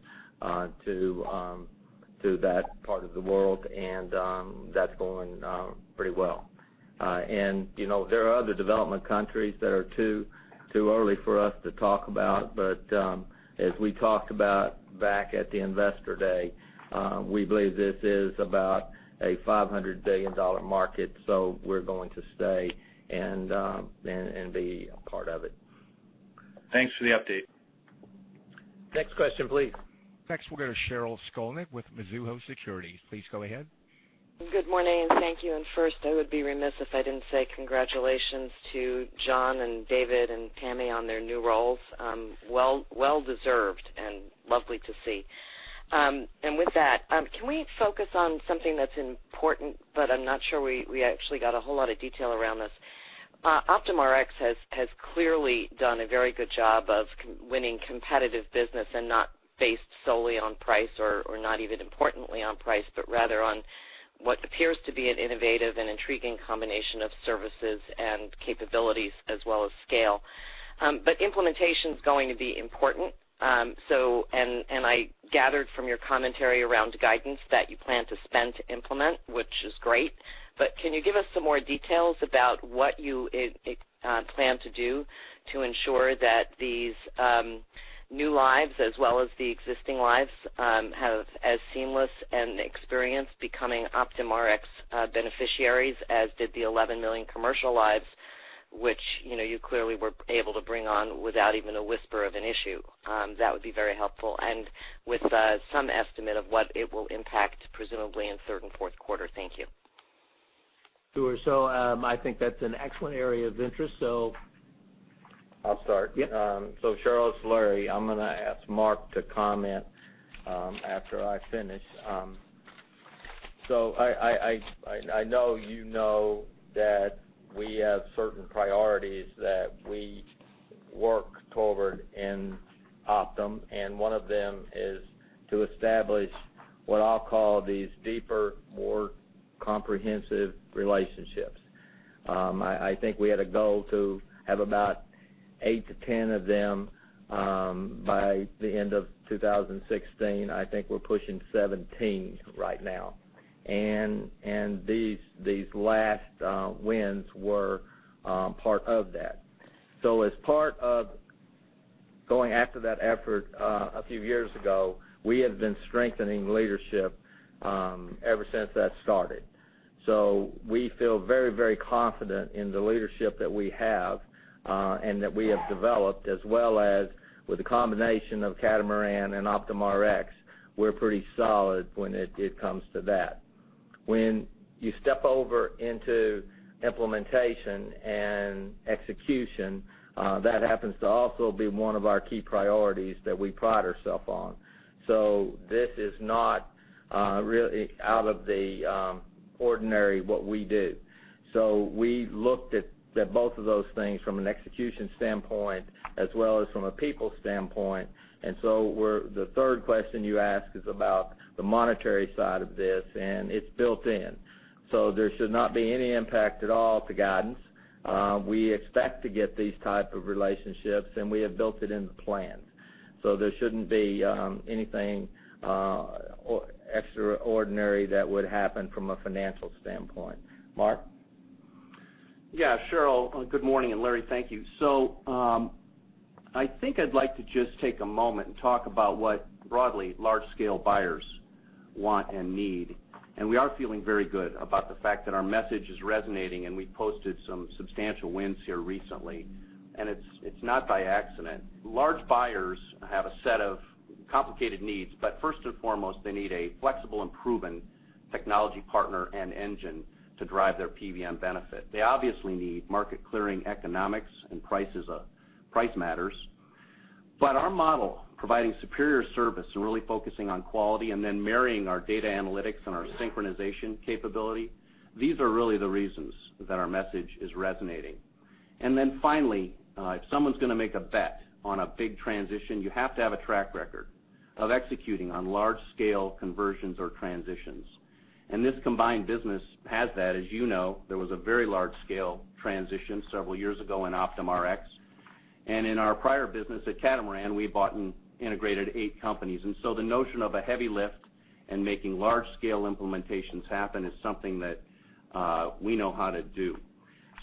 to that part of the world, and that's going pretty well. There are other development countries that are too early for us to talk about, but as we talked about back at the investor day, we believe this is about a $500 billion market, so we're going to stay and be a part of it. Thanks for the update. Next question, please. Next, we'll go to Sheryl Skolnick with Mizuho Securities. Please go ahead. Good morning, thank you. First, I would be remiss if I didn't say congratulations to John and David and Tami on their new roles. Well deserved and lovely to see. With that, can we focus on something that's important, but I'm not sure we actually got a whole lot of detail around this. OptumRx has clearly done a very good job of winning competitive business and not based solely on price, or not even importantly on price, but rather on what appears to be an innovative and intriguing combination of services and capabilities as well as scale. Implementation's going to be important. I gathered from your commentary around guidance that you plan to spend to implement, which is great. Can you give us some more details about what you plan to do to ensure that these new lives, as well as the existing lives, have as seamless an experience becoming OptumRx beneficiaries as did the 11 million commercial lives, which you clearly were able to bring on without even a whisper of an issue? That would be very helpful. With some estimate of what it will impact, presumably in third and fourth quarter. Thank you. Sure. I think that's an excellent area of interest. I'll start. Yep. Sheryl, it's Larry. I'm going to ask Mark to comment after I finish. I know you know that we have certain priorities that we work toward in Optum, one of them is to establish what I'll call these deeper, more comprehensive relationships. I think we had a goal to have about eight to 10 of them by the end of 2016. I think we're pushing 17 right now. And these last wins were part of that. As part of going after that effort a few years ago, we have been strengthening leadership ever since that started. We feel very, very confident in the leadership that we have and that we have developed, as well as with the combination of Catamaran and OptumRx, we're pretty solid when it comes to that. When you step over into implementation and execution, that happens to also be one of our key priorities that we pride ourself on. This is not really out of the ordinary, what we do. We looked at both of those things from an execution standpoint as well as from a people standpoint. The third question you asked is about the monetary side of this, and it's built in. There should not be any impact at all to guidance. We expect to get these type of relationships, and we have built it into plans. There shouldn't be anything extraordinary that would happen from a financial standpoint. Mark? Yeah, sure. Good morning, and Larry, thank you. I think I'd like to just take a moment and talk about what broadly large-scale buyers want and need. We are feeling very good about the fact that our message is resonating, and we've posted some substantial wins here recently. It's not by accident. Large buyers have a set of complicated needs, but first and foremost, they need a flexible and proven technology partner and engine to drive their PBM benefit. They obviously need market clearing economics and price matters. But our model, providing superior service and really focusing on quality and then marrying our data analytics and our synchronization capability, these are really the reasons that our message is resonating. Finally, if someone's going to make a bet on a big transition, you have to have a track record of executing on large-scale conversions or transitions. This combined business has that. As you know, there was a very large-scale transition several years ago in OptumRx. And in our prior business at Catamaran, we bought and integrated eight companies. The notion of a heavy lift and making large-scale implementations happen is something that we know how to do.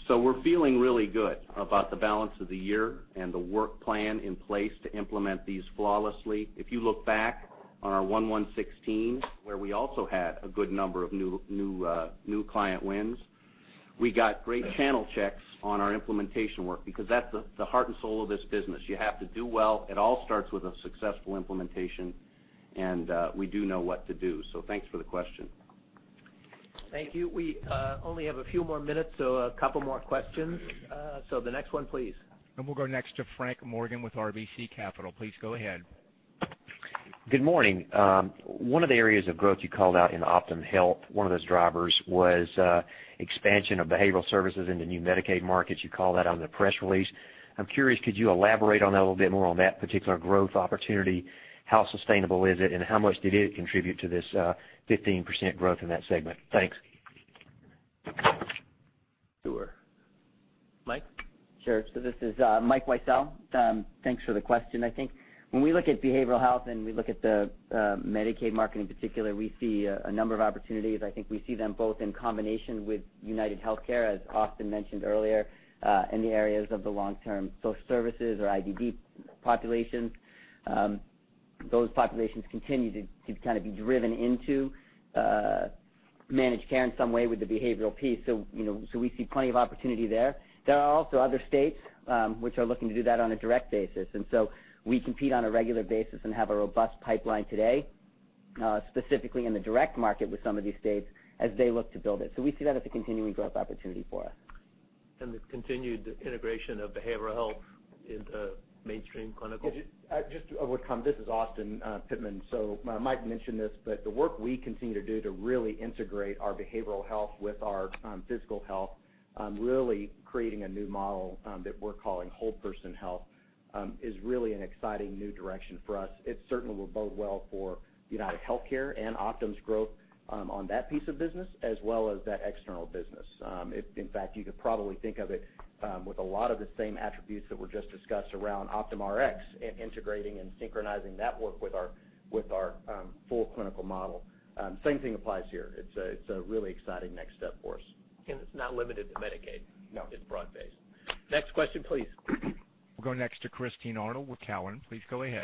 We're feeling really good about the balance of the year and the work plan in place to implement these flawlessly. If you look back on our [116], where we also had a good number of new client wins, we got great channel checks on our implementation work because that's the heart and soul of this business. You have to do well. It all starts with a successful implementation, and we do know what to do. Thanks for the question. Thank you. We only have a few more minutes, a couple more questions. The next one, please. We'll go next to Frank Morgan with RBC Capital. Please go ahead. Good morning. One of the areas of growth you called out in OptumHealth, one of those drivers was expansion of behavioral services in the new Medicaid markets. You call that on the press release. I'm curious, could you elaborate on that a little bit more on that particular growth opportunity? How sustainable is it, and how much did it contribute to this 15% growth in that segment? Thanks. Sure. Mike? Sure. This is Mike Weissel. Thanks for the question. I think when we look at behavioral health and we look at the Medicaid market in particular, we see a number of opportunities. I think we see them both in combination with UnitedHealthcare, as Austin mentioned earlier, in the areas of the long-term social services or IDD populations. Those populations continue to kind of be driven into managed care in some way with the behavioral piece. We see plenty of opportunity there. There are also other states, which are looking to do that on a direct basis. We compete on a regular basis and have a robust pipeline today, specifically in the direct market with some of these states as they look to build it. We see that as a continuing growth opportunity for us. The continued integration of behavioral health into mainstream clinical. Just to overcome, this is Austin Pittman. Mike mentioned this, but the work we continue to do to really integrate our behavioral health with our physical health, really creating a new model that we're calling Whole-Person Health, is really an exciting new direction for us. It certainly will bode well for UnitedHealthcare and Optum's growth on that piece of business as well as that external business. In fact, you could probably think of it with a lot of the same attributes that were just discussed around OptumRx, integrating and synchronizing that work with our full clinical model. Same thing applies here. It's a really exciting next step for us. It's not limited to Medicaid. No. It's broad-based. Next question, please. We'll go next to Christine Arnold with Cowen. Please go ahead.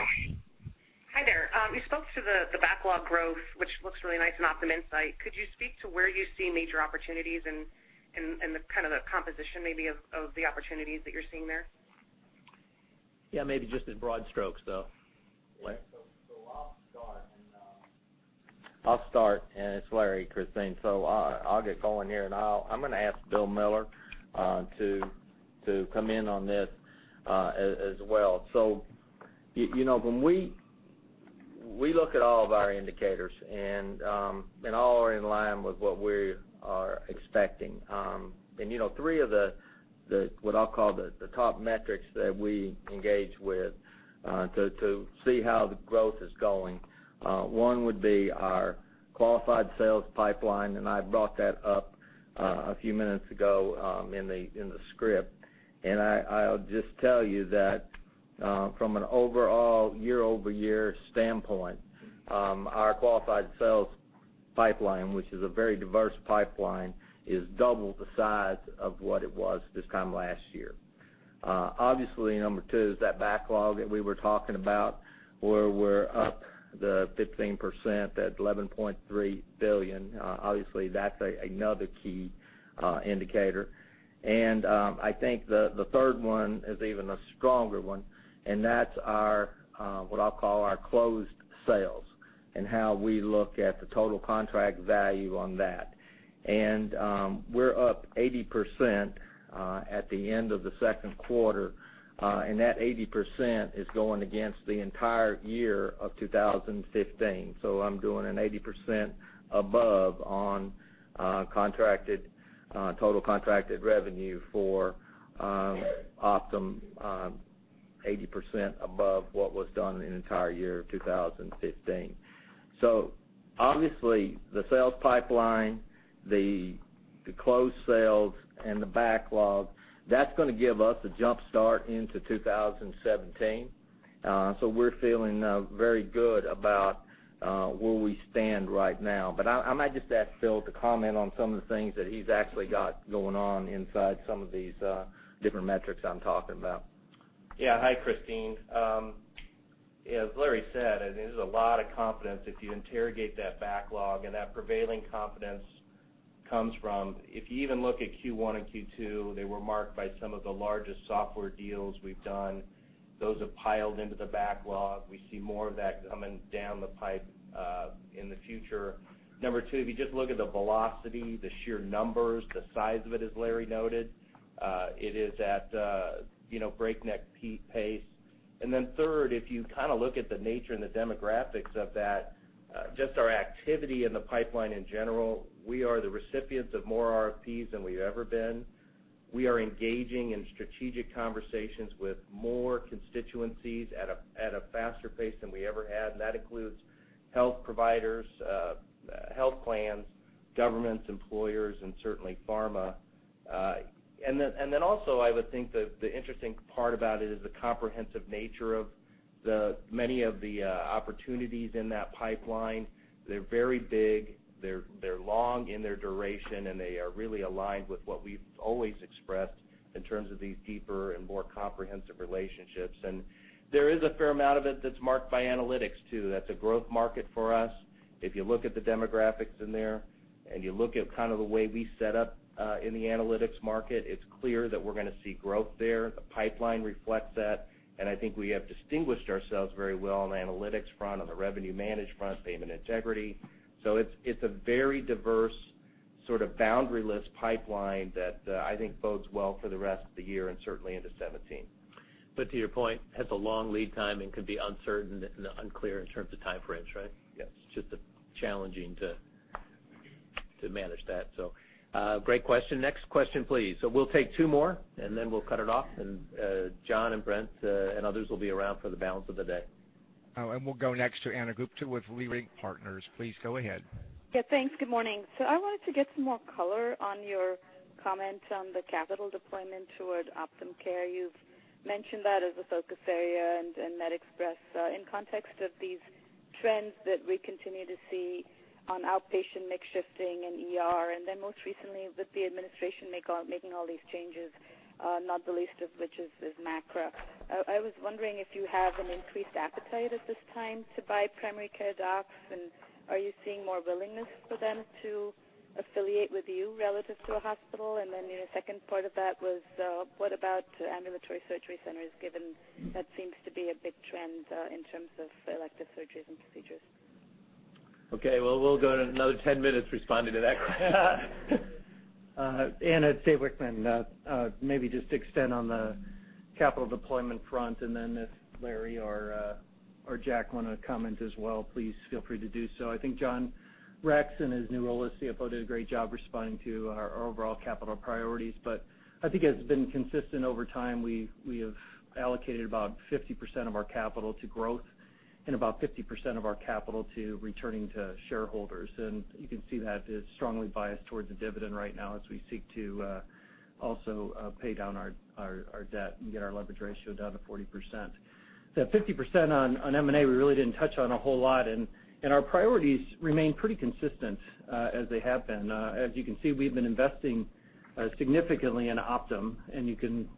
Hi there. You spoke to the backlog growth, which looks really nice in OptumInsight. Could you speak to where you see major opportunities and the kind of the composition maybe of the opportunities that you're seeing there? Yeah, maybe just in broad strokes, though. Larry. I'll start, and it's Larry, Christine. I'll get going here, and I'm going to ask Bill Miller to come in on this as well. When we look at all of our indicators, and all are in line with what we are expecting. Three of the, what I'll call the top metrics that we engage with, to see how the growth is going, one would be our Qualified sales pipeline, and I brought that up a few minutes ago in the script. I'll just tell you that from an overall year-over-year standpoint, our qualified sales pipeline, which is a very diverse pipeline, is double the size of what it was this time last year. Obviously, number 2 is that backlog that we were talking about, where we're up 15% at $11.3 billion. Obviously, that's another key indicator. I think the third one is even a stronger one, and that's what I'll call our closed sales and how we look at the total contract value on that. We're up 80% at the end of the second quarter. That 80% is going against the entire year of 2015. I'm doing an 80% above on total contracted revenue for Optum, 80% above what was done in the entire year of 2015. Obviously, the sales pipeline, the closed sales, and the backlog, that's going to give us a jumpstart into 2017. We're feeling very good about where we stand right now. I might just ask Phil to comment on some of the things that he's actually got going on inside some of these different metrics I'm talking about. Yeah. Hi, Christine. As Larry said, there's a lot of confidence if you interrogate that backlog. That prevailing confidence comes from, if you even look at Q1 and Q2, they were marked by some of the largest software deals we've done. Those have piled into the backlog. We see more of that coming down the pipe in the future. Number 2, if you just look at the velocity, the sheer numbers, the size of it, as Larry noted, it is at breakneck pace. Then third, if you look at the nature and the demographics of that, just our activity in the pipeline in general, we are the recipients of more RFPs than we've ever been. We are engaging in strategic conversations with more constituencies at a faster pace than we ever have, and that includes health providers, health plans, governments, employers, and certainly pharma. Also, I would think that the interesting part about it is the comprehensive nature of many of the opportunities in that pipeline. They're very big. They're long in their duration. They are really aligned with what we've always expressed in terms of these deeper and more comprehensive relationships. There is a fair amount of it that's marked by analytics, too. That's a growth market for us. If you look at the demographics in there. You look at the way we set up in the analytics market, it's clear that we're going to see growth there. The pipeline reflects that. I think we have distinguished ourselves very well on the analytics front, on the revenue management front, payment integrity. It's a very diverse sort of boundary-less pipeline that I think bodes well for the rest of the year and certainly into 2017. To your point, has a long lead time and could be uncertain and unclear in terms of time frames, right? Yes. It's just challenging to manage that. Great question. Next question, please. We'll take two more, and then we'll cut it off. Jon and Brent and others will be around for the balance of the day. We'll go next to Ana Gupte with Leerink Partners. Please go ahead. Yeah, thanks. Good morning. I wanted to get some more color on your comment on the capital deployment toward Optum Care. You've mentioned that as a focus area and MedExpress. In context of these trends that we continue to see on outpatient mix shifting and ER, and then most recently with the administration making all these changes, not the least of which is MACRA. I was wondering if you have an increased appetite at this time to buy primary care docs, and are you seeing more willingness for them to affiliate with you relative to a hospital? The second part of that was, what about ambulatory surgery centers, given that seems to be a big trend in terms of elective surgeries and procedures? Okay. Well, we'll go another 10 minutes responding to that. Ana, Dave Wichmann. Then if Larry or Jack want to comment as well, please feel free to do so. I think John Rex, in his new role as CFO, did a great job responding to our overall capital priorities. I think it's been consistent over time. We have allocated about 50% of our capital to growth and about 50% of our capital to returning to shareholders. You can see that is strongly biased towards a dividend right now as we seek to also pay down our debt and get our leverage ratio down to 40%. That 50% on M&A, we really didn't touch on a whole lot, and our priorities remain pretty consistent as they have been. You can see, we've been investing significantly in Optum, and you can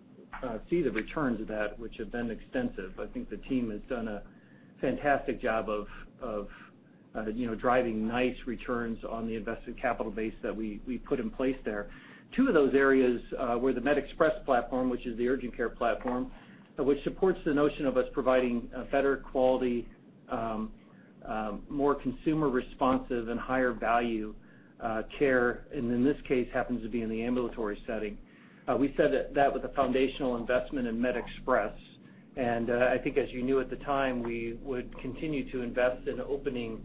see the returns of that, which have been extensive. I think the team has done a fantastic job of driving nice returns on the invested capital base that we put in place there. Two of those areas were the MedExpress platform, which is the urgent care platform, which supports the notion of us providing a better quality, more consumer responsive, and higher value care, and in this case, happens to be in the ambulatory setting. We said that that was a foundational investment in MedExpress, and I think as you knew at the time, we would continue to invest in opening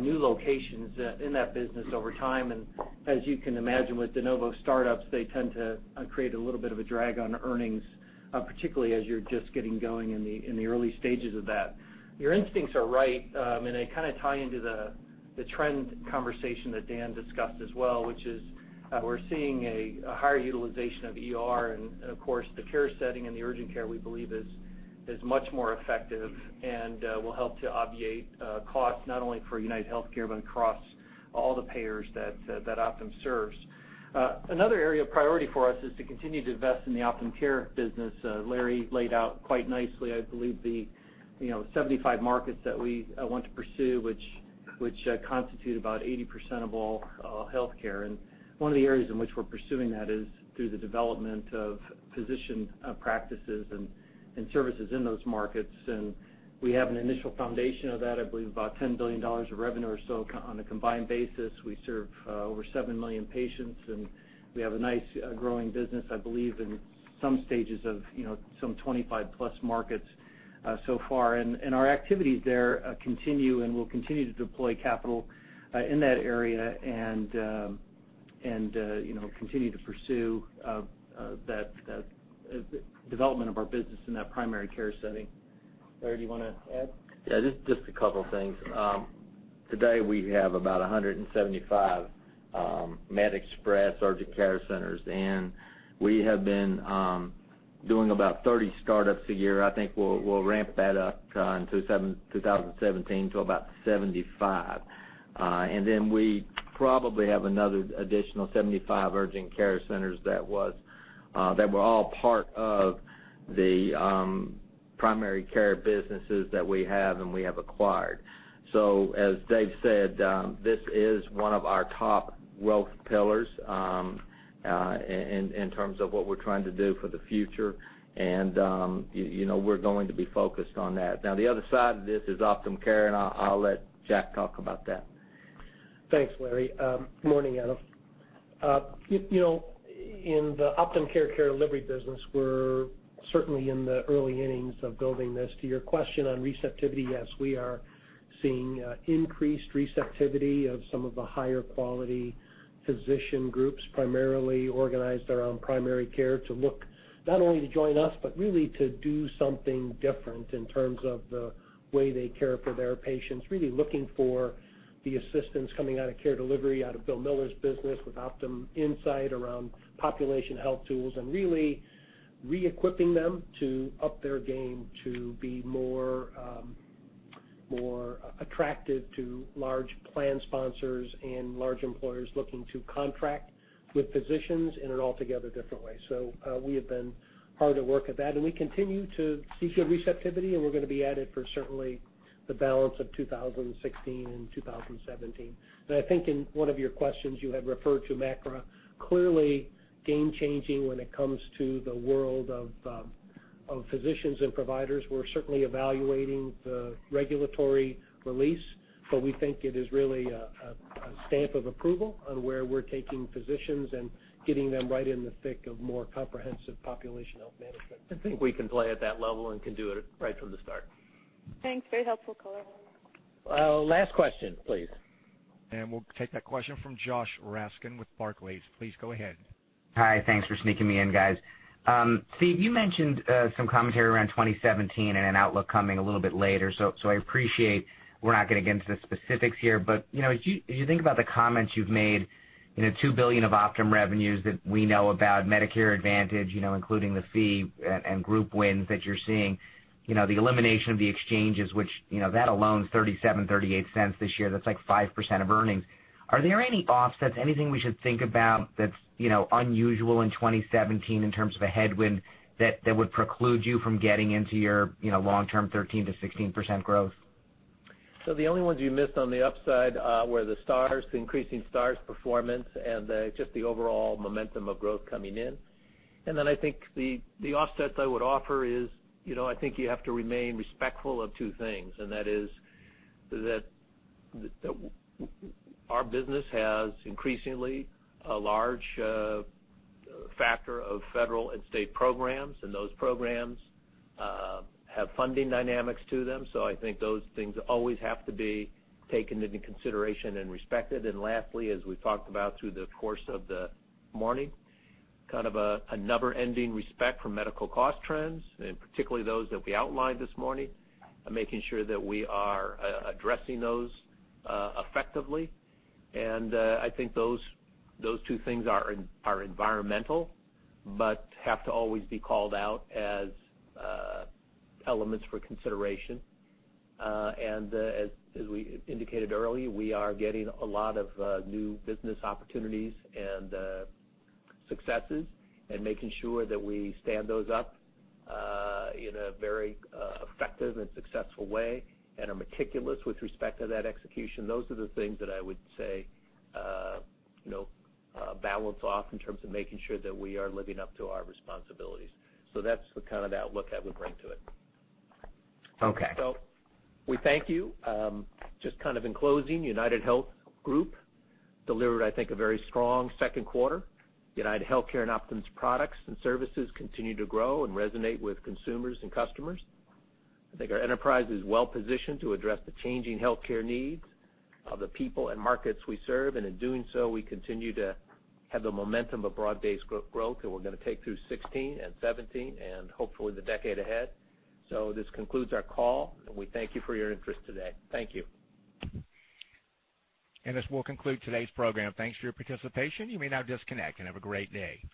new locations in that business over time. As you can imagine with de novo startups, they tend to create a little bit of a drag on earnings Particularly as you're just getting going in the early stages of that. Your instincts are right, and they kind of tie into the trend conversation that Dan discussed as well, which is we're seeing a higher utilization of ER. Of course, the care setting in the urgent care, we believe is much more effective and will help to obviate costs not only for UnitedHealthcare, but across all the payers that Optum serves. Another area of priority for us is to continue to invest in the Optum Care business. Larry laid out quite nicely, I believe the 75 markets that we want to pursue, which constitute about 80% of all healthcare. One of the areas in which we're pursuing that is through the development of physician practices and services in those markets. We have an initial foundation of that, I believe about $10 billion of revenue or so on a combined basis. We serve over 7 million patients, we have a nice growing business, I believe, in some stages of some 25-plus markets so far. Our activities there continue and will continue to deploy capital in that area and continue to pursue the development of our business in that primary care setting. Larry, do you want to add? Just a couple of things. Today, we have about 175 MedExpress urgent care centers, we have been doing about 30 startups a year. I think we'll ramp that up in 2017 to about 75. We probably have another additional 75 urgent care centers that were all part of the primary care businesses that we have and we have acquired. As Dave said, this is one of our top growth pillars in terms of what we're trying to do for the future, we're going to be focused on that. The other side of this is Optum Care, I'll let Jack talk about that. Thanks, Larry. Morning, Ana. In the Optum Care care delivery business, we're certainly in the early innings of building this. To your question on receptivity, yes, we are seeing increased receptivity of some of the higher quality physician groups, primarily organized around primary care to look not only to join us, but really to do something different in terms of the way they care for their patients. Really looking for the assistance coming out of care delivery, out of Bill Miller's business with OptumInsight around population health tools, really reequipping them to up their game to be more attractive to large plan sponsors and large employers looking to contract with physicians in an altogether different way. We have been hard at work at that, we continue to see good receptivity, we're going to be at it for certainly the balance of 2016 and 2017. I think in one of your questions you had referred to MACRA. Clearly game-changing when it comes to the world of physicians and providers. We're certainly evaluating the regulatory release, we think it is really a stamp of approval on where we're taking physicians and getting them right in the thick of more comprehensive population health management. I think we can play at that level and can do it right from the start. Thanks. Very helpful color. Last question, please. We'll take that question from Joshua Raskin with Barclays. Please go ahead. Hi. Thanks for sneaking me in, guys. Steve, you mentioned some commentary around 2017 and an outlook coming a little bit later. I appreciate we're not going to get into the specifics here. As you think about the comments you've made, $2 billion of Optum revenues that we know about, Medicare Advantage, including the fee and group wins that you're seeing, the elimination of the exchanges, which that alone is $0.37-$0.38 this year, that's like 5% of earnings. Are there any offsets, anything we should think about that's unusual in 2017 in terms of a headwind that would preclude you from getting into your long-term 13%-16% growth? The only ones you missed on the upside were the stars, the increasing stars performance, and just the overall momentum of growth coming in. I think the offset I would offer is, I think you have to remain respectful of two things, and that is that our business has increasingly a large factor of federal and state programs, and those programs have funding dynamics to them. I think those things always have to be taken into consideration and respected. Lastly, as we talked about through the course of the morning, kind of a never-ending respect for medical cost trends, and particularly those that we outlined this morning, and making sure that we are addressing those effectively. I think those two things are environmental, but have to always be called out as elements for consideration. As we indicated earlier, we are getting a lot of new business opportunities and successes and making sure that we stand those up in a very effective and successful way and are meticulous with respect to that execution. Those are the things that I would say balance off in terms of making sure that we are living up to our responsibilities. That's the kind of outlook I would bring to it. Okay. We thank you. Just in closing, UnitedHealth Group delivered, I think, a very strong second quarter. UnitedHealthcare and Optum's products and services continue to grow and resonate with consumers and customers. I think our enterprise is well positioned to address the changing healthcare needs of the people and markets we serve, and in doing so, we continue to have the momentum of broad-based growth that we're going to take through 2016 and 2017 and hopefully the decade ahead. This concludes our call, and we thank you for your interest today. Thank you. This will conclude today's program. Thanks for your participation. You may now disconnect, and have a great day.